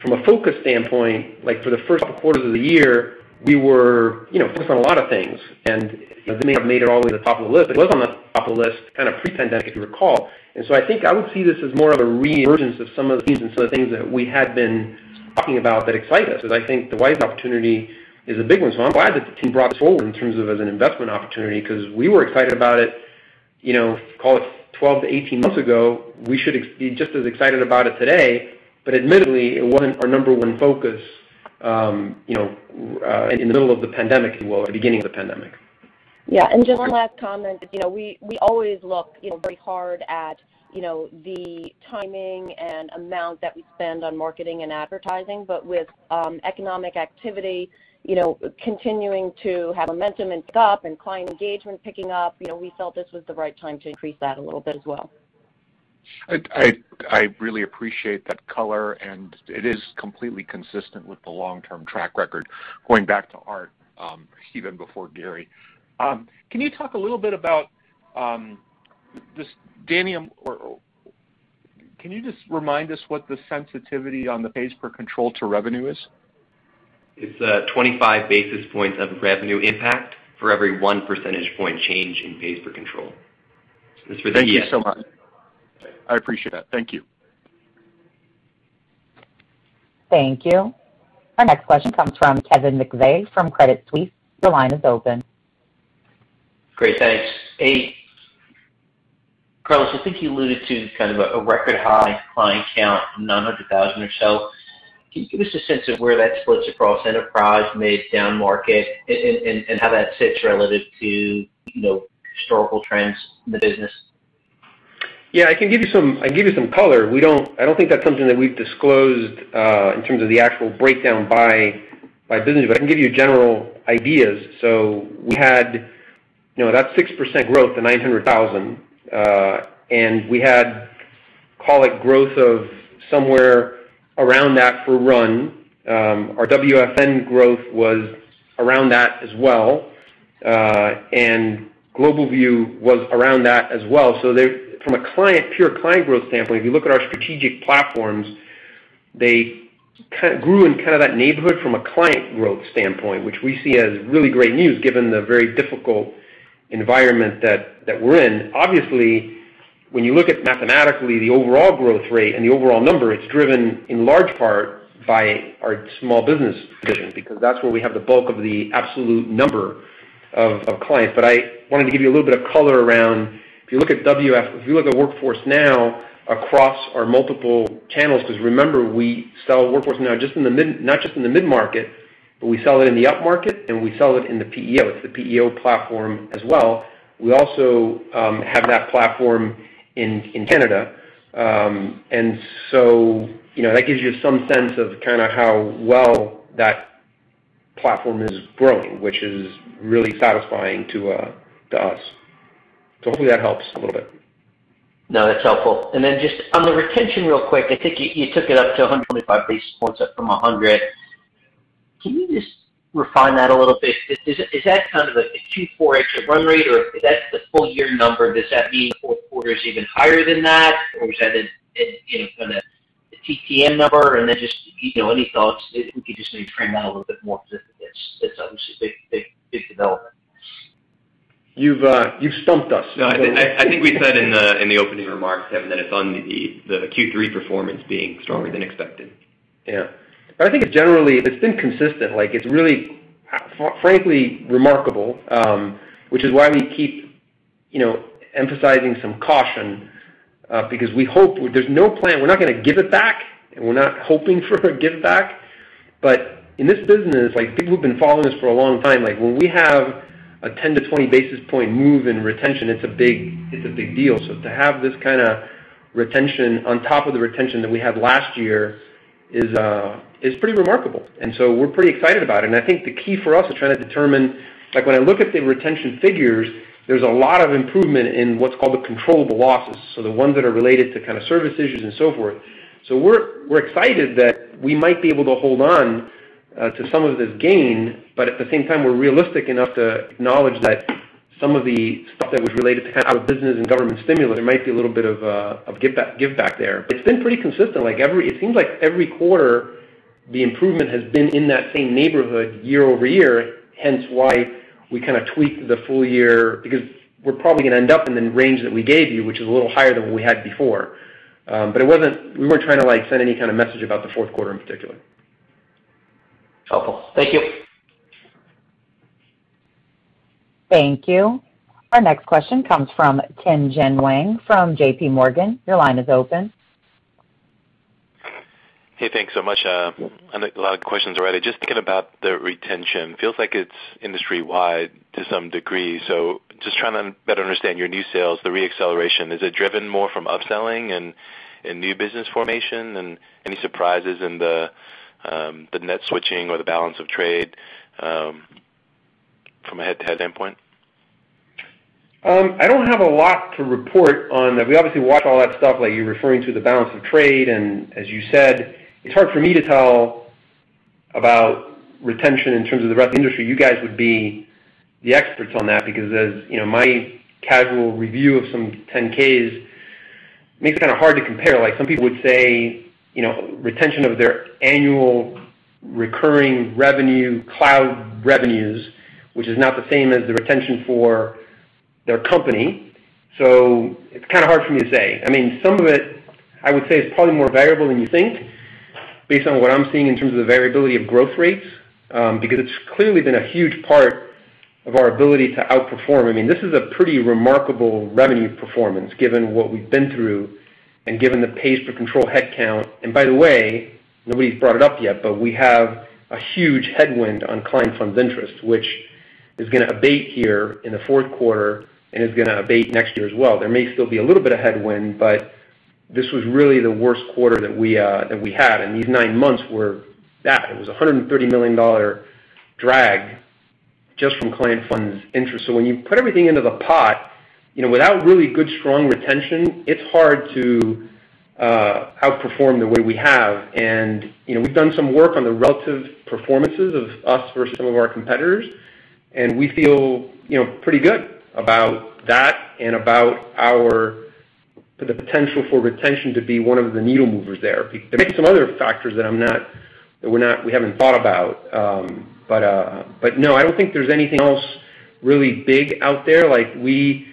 From a focus standpoint, like for the first couple quarters of the year, we were focused on a lot of things, and they may have made it all the way to the top of the list. It was on the top of the list kind of pre-pandemic, if you recall. I think I would see this as more of a re-emergence of some of the pieces, some of the things that we had been talking about that excite us. I think the Wisely opportunity is a big one. I'm glad that the team brought this forward in terms of as an investment opportunity, because we were excited about it call it 12-18 months ago. We should be just as excited about it today, but admittedly, it wasn't our number one focus in the middle of the pandemic, as well, or the beginning of the pandemic. Yeah. Just one last comment is, we always look very hard at the timing and amount that we spend on marketing and advertising. With economic activity continuing to have momentum and pick up and client engagement picking up, we felt this was the right time to increase that a little bit as well. I really appreciate that color, and it is completely consistent with the long-term track record, going back to Art, even before Gary. Can you talk a little bit about this, Danny, or can you just remind us what the sensitivity on the pays per control to revenue is? It's 25 basis points of revenue impact for every 1 percentage point change in pays per control. That's for the— Thank you so much. I appreciate it. Thank you. Thank you. Our next question comes from Kevin McVeigh from Credit Suisse. Your line is open. Great. Thanks. Hey, Carlos, I think you alluded to kind of a record high client count, 900,000 or so. Can you give us a sense of where that splits across enterprise, mid, downmarket and how that sits relative to historical trends in the business? Yeah, I can give you some color. I don't think that's something that we've disclosed, in terms of the actual breakdown by business, but I can give you general ideas. We had that 6% growth to 900,000. We had, call it, growth of somewhere around that for RUN. Our WFN growth was around that as well. GlobalView was around that as well. From a pure client growth standpoint, if you look at our strategic platforms, they grew in kind of that neighborhood from a client growth standpoint, which we see as really great news given the very difficult environment that we're in. Obviously, when you look at mathematically the overall growth rate and the overall number, it's driven in large part by our small business division, because that's where we have the bulk of the absolute number of clients. I wanted to give you a little bit of color around, if you look at Workforce Now across our multiple channels, because remember, we sell Workforce Now not just in the mid-market, but we sell it in the upmarket, and we sell it in the PEO. It's the PEO platform as well. We also have that platform in Canada. That gives you some sense of kind of how well that platform is growing, which is really satisfying to us. Hopefully that helps a little bit. No, that's helpful. Then just on the retention real quick, I think you took it up to 125 basis points up from 100 basis points. Can you just refine that a little bit? Is that kind of a Q4 run rate, or is that the full-year number? Does that mean the fourth quarter is even higher than that, or is that the TTM number? Then just any thoughts, if we could just maybe frame that a little bit more, because it's obviously a big development. You've stumped us. No, I think we said in the opening remarks, Kevin, that it's on the Q3 performance being stronger than expected. Yeah. I think generally it's been consistent. Like it's really, frankly, remarkable, which is why we keep emphasizing some caution, because we hope there's no plan. We're not going to give it back, and we're not hoping for a give back. In this business, like people who've been following us for a long time, when we have a 10 to 20-basis-point move in retention, it's a big deal. To have this kind of retention on top of the retention that we had last year is pretty remarkable. We're pretty excited about it. I think the key for us is trying to determine like when I look at the retention figures, there's a lot of improvement in what's called the controllable losses, so the ones that are related to kind of service issues and so forth. We're excited that we might be able to hold on to some of this gain. At the same time, we're realistic enough to acknowledge that some of the stuff that was related to out of business and government stimulus, there might be a little bit of give back there. It's been pretty consistent. It seems like every quarter the improvement has been in that same neighborhood year-over-year, hence why we kind of tweaked the full year, because we're probably going to end up in the range that we gave you, which is a little higher than what we had before. We weren't trying to send any kind of message about the fourth quarter in particular. Helpful. Thank you. Thank you. Our next question comes from Tien-Tsin Huang from JPMorgan. Your line is open. Hey, thanks so much. I know a lot of questions already. Just thinking about the retention. Feels like it's industry-wide to some degree. Just trying to better understand your new sales, the re-acceleration. Is it driven more from upselling and new business formation? Any surprises in the net switching or the balance of trade from a head-to-head standpoint? I don't have a lot to report on that. We obviously watch all that stuff like you're referring to, the balance of trade. As you said, it's hard for me to tell about retention in terms of the rest of the industry. You guys would be the experts on that because as my casual review of some 10-Ks makes it kind of hard to compare. Some people would say, retention of their annual recurring revenue, cloud revenues, which is not the same as the retention for their company. It's kind of hard for me to say. Some of it, I would say, is probably more variable than you think based on what I'm seeing in terms of the variability of growth rates, because it's clearly been a huge part of our ability to outperform. This is a pretty remarkable revenue performance given what we've been through and given the pays per control headcount. By the way, nobody's brought it up yet, but we have a huge headwind on client funds interest, which is going to abate here in the fourth quarter and is going to abate next year as well. There may still be a little bit of headwind, this was really the worst quarter that we had, and these nine months were that. It was a $130 million drag just from client funds interest. When you put everything into the pot, without really good, strong retention, it's hard to outperform the way we have. We've done some work on the relative performances of us versus some of our competitors, and we feel pretty good about that and about the potential for retention to be one of the needle movers there. There may be some other factors that we haven't thought about. No, I don't think there's anything else really big out there. We've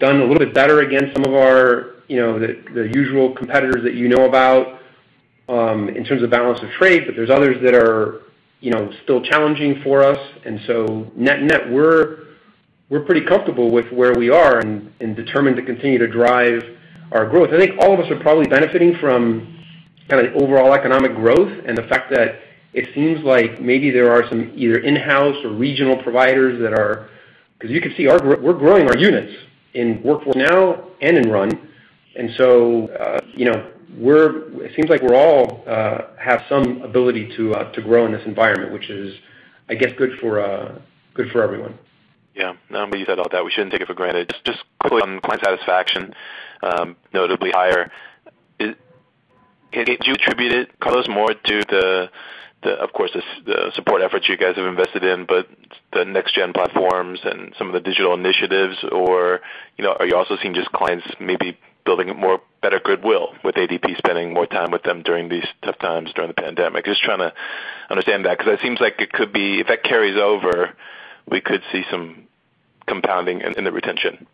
done a little bit better against some of the usual competitors that you know about in terms of balance of trade, but there's others that are still challenging for us. Net-net, we're pretty comfortable with where we are and determined to continue to drive our growth. I think all of us are probably benefiting from overall economic growth and the fact that it seems like maybe there are some either in-house or regional providers. Because you can see we're growing our units in Workforce Now and in RUN. It seems like we all have some ability to grow in this environment, which is, I guess, good for everyone. Yeah. No, I'm going to use that all day. We shouldn't take it for granted. Just quickly on client satisfaction, notably higher. Would you attribute it, Carlos, more to the, of course, the support efforts you guys have invested in, but the Next Gen platforms and some of the digital initiatives, or are you also seeing just clients maybe building a more better goodwill with ADP spending more time with them during these tough times during the pandemic? Just trying to understand that, because it seems like it could be, if that carries over, we could see some compounding in the retention.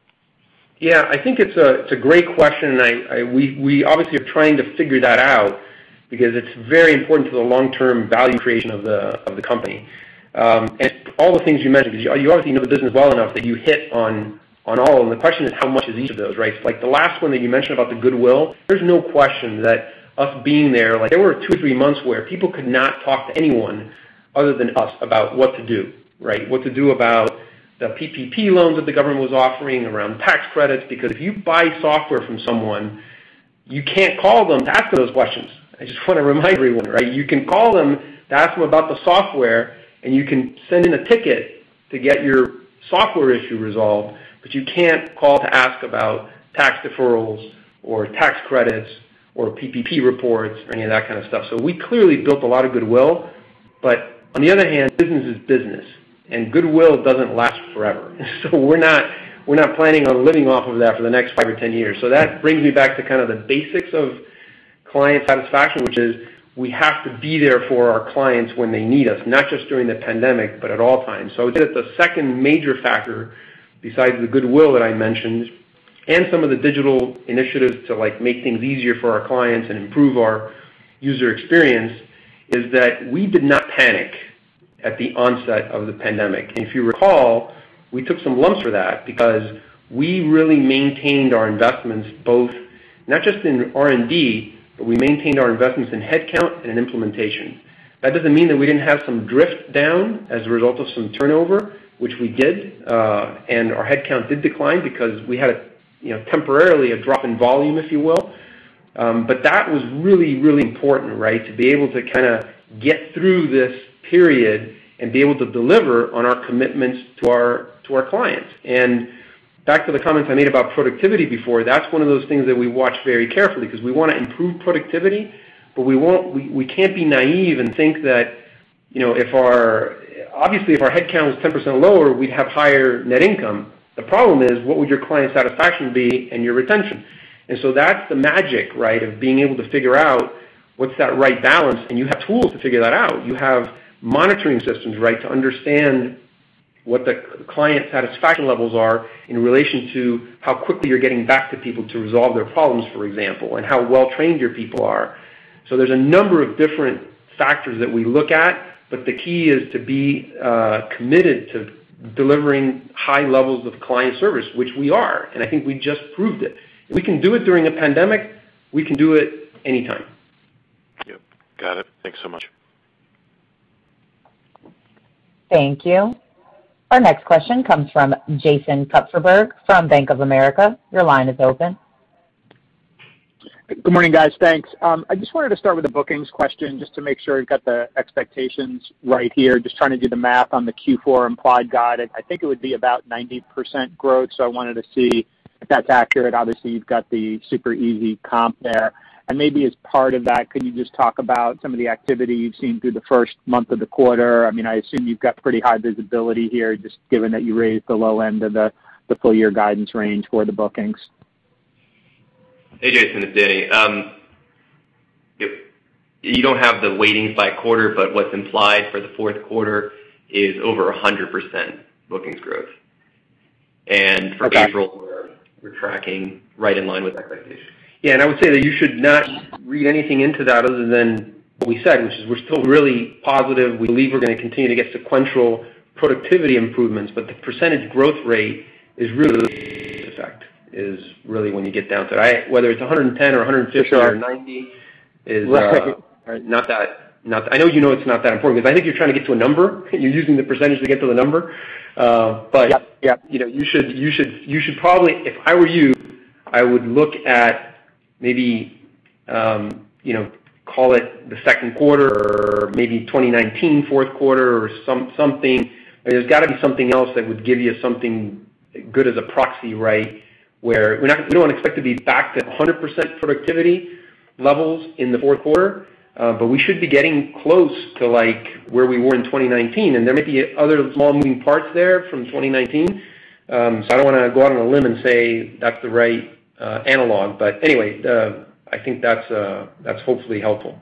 Yeah, I think it's a great question, and we obviously are trying to figure that out because it's very important to the long-term value creation of the company. All the things you mentioned, because you obviously know the business well enough that you hit on all of them. The question is how much is each of those, right? The last one that you mentioned about the goodwill, there's no question that us being there were two or three months where people could not talk to anyone other than us about what to do, right? What to do about the PPP loans that the government was offering, around tax credits, because if you buy software from someone, you can't call them to ask those questions. I just want to remind everyone, right? You can call them to ask them about the software, and you can send in a ticket to get your software issue resolved, but you can't call to ask about tax deferrals or tax credits or PPP reports or any of that kind of stuff. We clearly built a lot of goodwill. On the other hand, business is business, and goodwill doesn't last forever. We're not planning on living off of that for the next five or 10 years. That brings me back to kind of the basics of client satisfaction, which is we have to be there for our clients when they need us, not just during the pandemic, but at all times. I would say that the second major factor, besides the goodwill that I mentioned, and some of the digital initiatives to make things easier for our clients and improve our user experience, is that we did not panic at the onset of the pandemic. If you recall, we took some lumps for that because we really maintained our investments both not just in R&D, but we maintained our investments in headcount and implementation. That doesn't mean that we didn't have some drift down as a result of some turnover, which we did. Our headcount did decline because we had temporarily a drop in volume, if you will. That was really, really important, right? To be able to get through this period and be able to deliver on our commitments to our clients. Back to the comments I made about productivity before, that's one of those things that we watch very carefully because we want to improve productivity, but we can't be naive and think that if our headcount was 10% lower, we'd have higher net income. The problem is, what would your client satisfaction be and your retention? That's the magic, right? Of being able to figure out what's that right balance, and you have tools to figure that out. You have monitoring systems, right, to understand what the client satisfaction levels are in relation to how quickly you're getting back to people to resolve their problems, for example, and how well trained your people are. There's a number of different factors that we look at, but the key is to be committed to delivering high levels of client service, which we are, and I think we just proved it. If we can do it during a pandemic, we can do it anytime. Yep. Got it. Thanks so much. Thank you. Our next question comes from Jason Kupferberg from Bank of America. Your line is open. Good morning, guys. Thanks. I just wanted to start with a bookings question just to make sure we've got the expectations right here. Just trying to do the math on the Q4 implied guide. I think it would be about 90% growth, so I wanted to see if that's accurate. Obviously, you've got the super easy comp there. Maybe as part of that, could you just talk about some of the activity you've seen through the first month of the quarter? I assume you've got pretty high visibility here, just given that you raised the low end of the full-year guidance range for the bookings. Hey, Jason, it's Danny. You don't have the weightings by quarter, but what's implied for the fourth quarter is over 100% bookings growth. Okay. For April, we're tracking right in line with that expectation. Yeah, I would say that you should not read anything into that other than what we said, which is we're still really positive. We believe we expect strong results. We believe we're going to continue to get sequential productivity improvements. The percentage growth rate is really an effect, when you get down to it, whether it's 110 or 150 or 190. I know you know it's not that important, because I think you're trying to get to a number, and you're using the percentage to get to the number. Yep. If I were you, I would look at maybe call it the second quarter or maybe 2019 fourth quarter or something. There's got to be something else that would give you something good as a proxy, where we don't expect to be back to 100% productivity levels in the fourth quarter. We should be getting close to where we were in 2019, and there may be other small moving parts there from 2019. I don't want to go out on a limb and say that's the right analog. Anyway, I think that's hopefully helpful.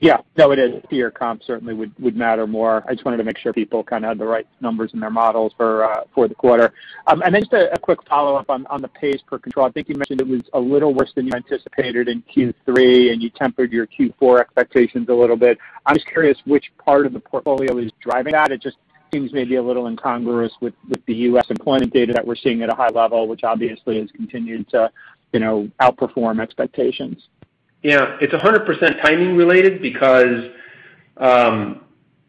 Yeah. No, it is. Year comp certainly would matter more. I just wanted to make sure people had the right numbers in their models for the quarter. Just a quick follow-up on the pays per control. I think you mentioned it was a little worse than you anticipated in Q3, and you tempered your Q4 expectations a little bit. I'm just curious which part of the portfolio is driving that. It just seems maybe a little incongruous with the U.S. employment data that we're seeing at a high level, which obviously has continued to outperform expectations. Yeah. It's 100% timing related because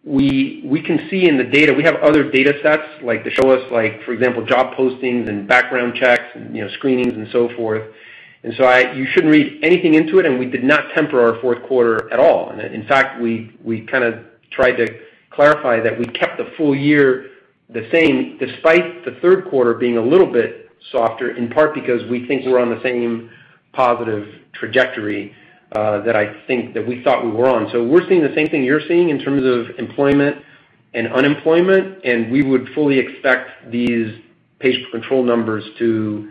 we can see in the data, we have other data sets that show us, for example, job postings and background checks and screenings and so forth. You shouldn't read anything into it, and we did not temper our fourth quarter at all. In fact, we tried to clarify that we kept the full year the same, despite the third quarter being a little bit softer, in part because we think we're on the same positive trajectory that we thought we were on. We're seeing the same thing you're seeing in terms of employment and unemployment, and we would fully expect these pays per control numbers to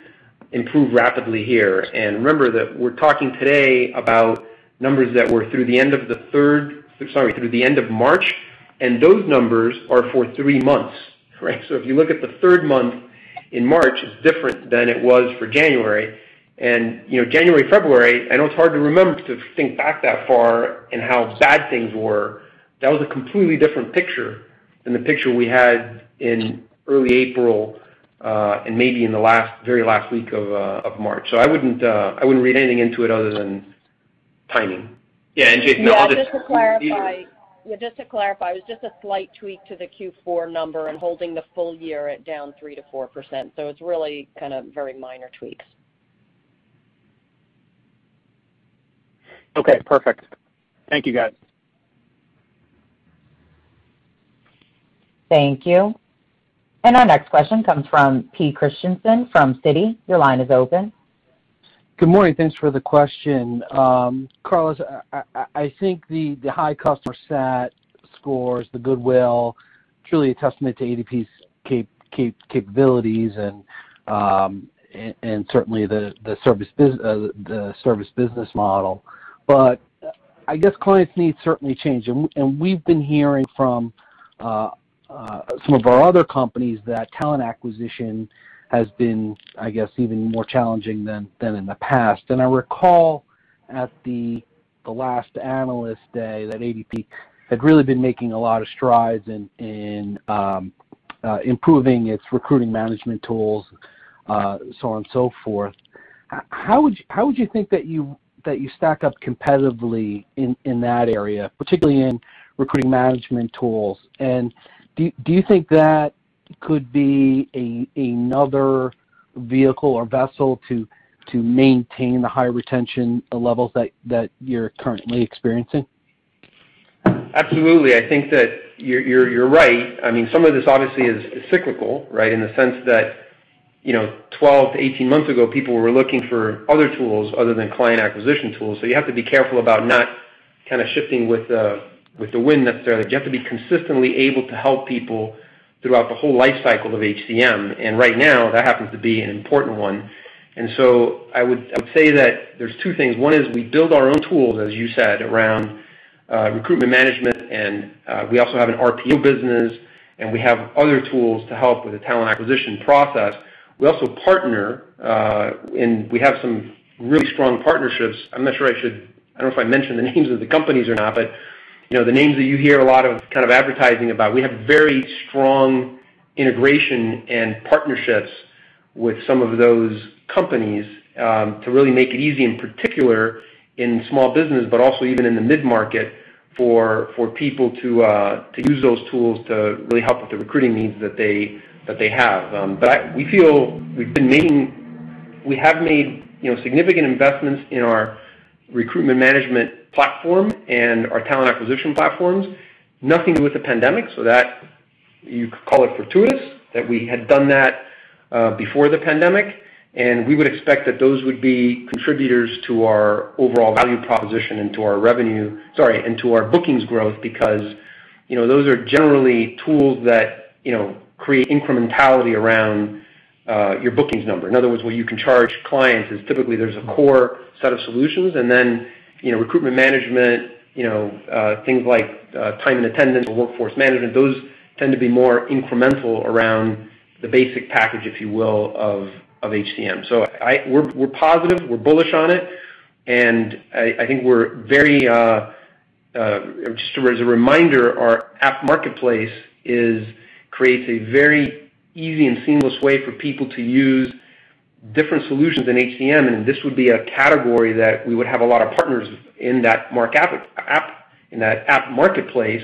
improve rapidly here. Remember that we're talking today about numbers that were through the end of March, and those numbers are for three months. Correct. If you look at the third month in March, it's different than it was for January. January, February, I know it's hard to remember to think back that far and how bad things were. That was a completely different picture than the picture we had in early April, and maybe in the very last week of March. I wouldn't read anything into it other than timing. Yeah, and Jason— Just to clarify, it was just a slight tweak to the Q4 number and holding the full year at down 3%-4%. It's really very minor tweaks. Okay, perfect. Thank you, guys. Thank you. Our next question comes from Pete Christiansen from Citi. Your line is open. Good morning. Thanks for the question. Carlos, I think the high customer sat scores, the goodwill, truly a testament to ADP's capabilities and certainly the service business model. Clients' needs certainly change. We've been hearing from some of our other companies that talent acquisition has been, I guess, even more challenging than in the past. I recall at the last Analyst Day that ADP had really been making a lot of strides in improving its recruiting management tools, so on and so forth. How would you think that you stack up competitively in that area, particularly in recruiting management tools? Do you think that could be another vehicle or vessel to maintain the high retention levels that you're currently experiencing? Absolutely. I think that you're right. Some of this obviously is cyclical, in the sense that 12-18 months ago, people were looking for other tools other than client acquisition tools. You have to be careful about not shifting with the wind, necessarily. You have to be consistently able to help people throughout the whole life cycle of HCM. Right now, that happens to be an important one. I would say that there's two things. One is we build our own tools, as you said, around recruitment management, and we also have an RPO business, and we have other tools to help with the talent acquisition process. We also partner, and we have some really strong partnerships. I'm not sure I don't know if I mention the names of the companies or not. The names that you hear a lot of advertising about, we have very strong integration and partnerships with some of those companies to really make it easy, in particular in small business, but also even in the mid-market. For people to use those tools to really help with the recruiting needs that they have. We feel we have made significant investments in our recruitment management platform and our talent acquisition platforms, nothing to do with the pandemic. That you could call it fortuitous that we had done that before the pandemic, and we would expect that those would be contributors to our overall value proposition and to our bookings growth because those are generally tools that create incrementality around your bookings number. In other words, what you can charge clients is typically there's a core set of solutions, and then recruitment management, things like time and attendance or workforce management, those tend to be more incremental around the basic package, if you will, of HCM. We're positive, we're bullish on it, and I think we're very, just as a reminder, our app marketplace creates a very easy and seamless way for people to use different solutions in HCM. And this would be a category that we would have a lot of partners in that app marketplace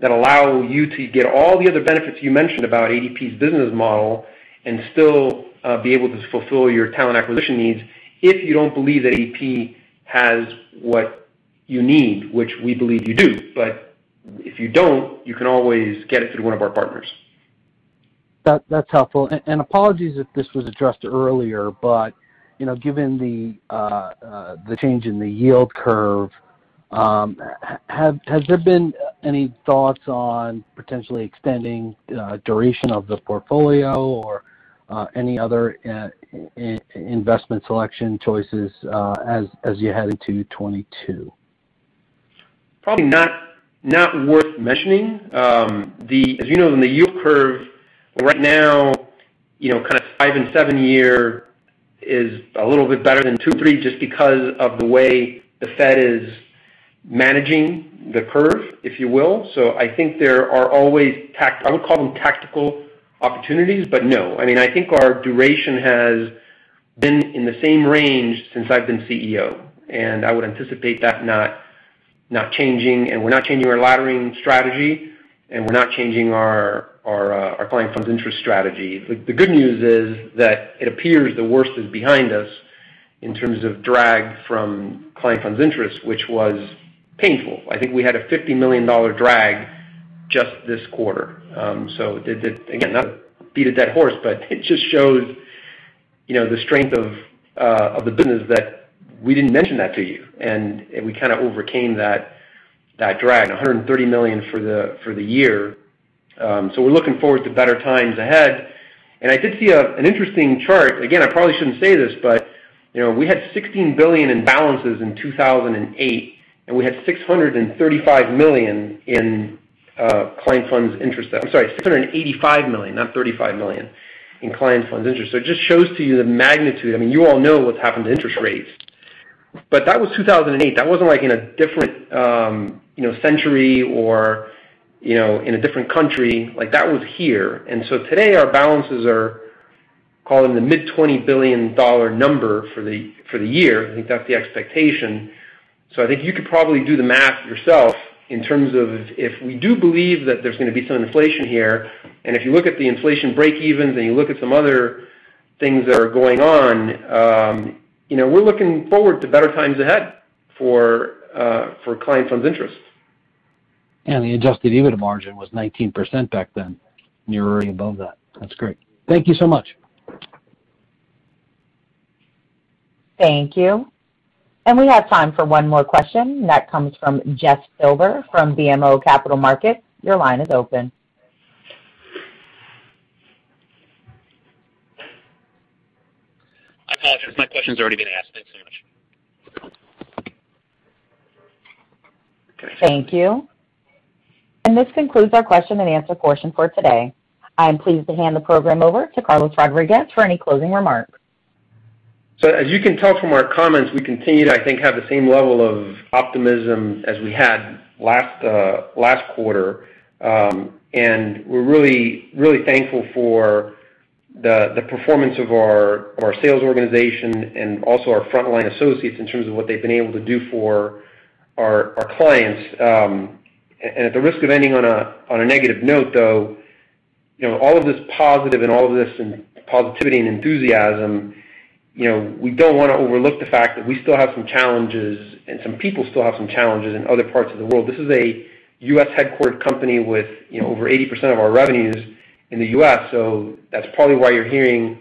that allow you to get all the other benefits you mentioned about ADP's business model and still be able to fulfill your talent acquisition needs if you don't believe that ADP has what you need, which we believe you do. But if you don't, you can always get it through one of our partners. That's helpful. Apologies if this was addressed earlier, but given the change in the yield curve, has there been any thoughts on potentially extending duration of the portfolio or any other investment selection choices as you head into 2022? Probably not worth mentioning. As you know, in the yield curve, right now, kind of five and seven-year is a little bit better than two/three just because of the way the Fed is managing the curve, if you will. I think there are always, I would call them tactical opportunities, but no. I think our duration has been in the same range since I've been CEO, and I would anticipate that not changing. We're not changing our laddering strategy, and we're not changing our client funds interest strategy. The good news is that it appears the worst is behind us in terms of drag from client funds interest, which was painful. I think we had a $50 million drag just this quarter. Again, not to beat a dead horse, but it just shows the strength of the business that we didn't mention that to you. We kind of overcame that drag, $130 million for the year. We're looking forward to better times ahead. I did see an interesting chart. Again, I probably shouldn't say this, but we had $16 billion in balances in 2008, and we had $635 million in client funds interest. I'm sorry, $685 million, not $35 million, in client funds interest. It just shows to you the magnitude. You all know what's happened to interest rates. That was 2008. That wasn't in a different century or in a different country. That was here. Today, our balances are, call it in the mid $20 billion number for the year. I think that's the expectation. I think you could probably do the math yourself in terms of if we do believe that there's going to be some inflation here, and if you look at the inflation breakevens and you look at some other things that are going on, we're looking forward to better times ahead for client funds interest. The adjusted EBITDA margin was 19% back then, and you're already above that. That's great. Thank you so much. Thank you. We have time for one more question. That comes from Jeff Silber from BMO Capital Markets. Your line is open. I apologize. My question's already been asked. Thanks so much. Thank you. This concludes our question-and-answer portion for today. I am pleased to hand the program over to Carlos Rodriguez for any closing remarks. As you can tell from our comments, we continue to, I think, have the same level of optimism as we had last quarter. We're really thankful for the performance of our sales organization and also our frontline associates in terms of what they've been able to do for our clients. At the risk of ending on a negative note, though, all of this positive and all of this positivity and enthusiasm, we don't want to overlook the fact that we still have some challenges, and some people still have some challenges in other parts of the world. This is a U.S.-headquartered company with over 80% of our revenues in the U.S., that's probably why you're hearing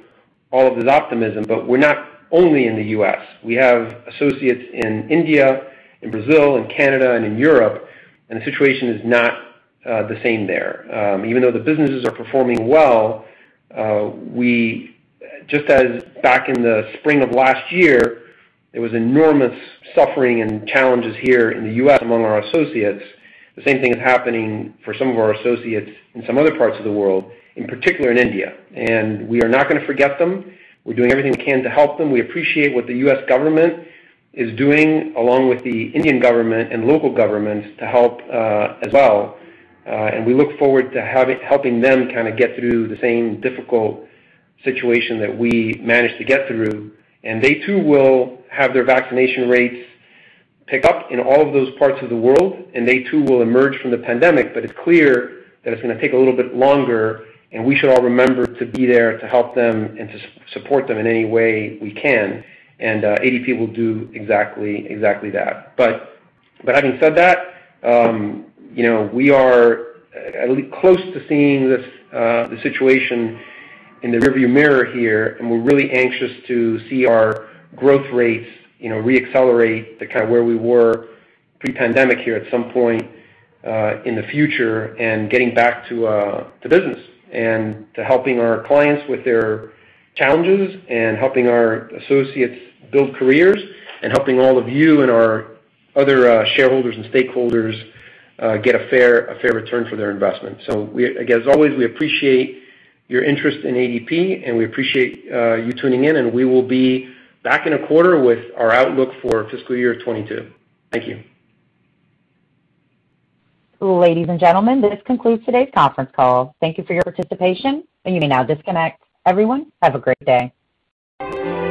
all of this optimism. We're not only in the U.S. We have associates in India, in Brazil, in Canada, and in Europe, the situation is not the same there. Even though the businesses are performing well, just as back in the spring of last year, there was enormous suffering and challenges here in the U.S. among our associates. The same thing is happening for some of our associates in some other parts of the world, in particular in India. We are not going to forget them. We're doing everything we can to help them. We appreciate what the U.S. government is doing, along with the Indian government and local governments to help as well. We look forward to helping them get through the same difficult situation that we managed to get through, and they too will have their vaccination rates pick up in all of those parts of the world, and they too will emerge from the pandemic. It's clear that it's going to take a little bit longer, and we should all remember to be there to help them and to support them in any way we can, and ADP will do exactly that. Having said that, we are close to seeing the situation in the rearview mirror here, and we're really anxious to see our growth rates re-accelerate to where we were pre-pandemic here at some point in the future, and getting back to business, and to helping our clients with their challenges, and helping our associates build careers, and helping all of you and our other shareholders and stakeholders get a fair return for their investment. As always, we appreciate your interest in ADP, and we appreciate you tuning in, and we will be back in a quarter with our outlook for fiscal year 2022. Thank you. Ladies and gentlemen, this concludes today's conference call. Thank you for your participation. You may now disconnect. Everyone, have a great day.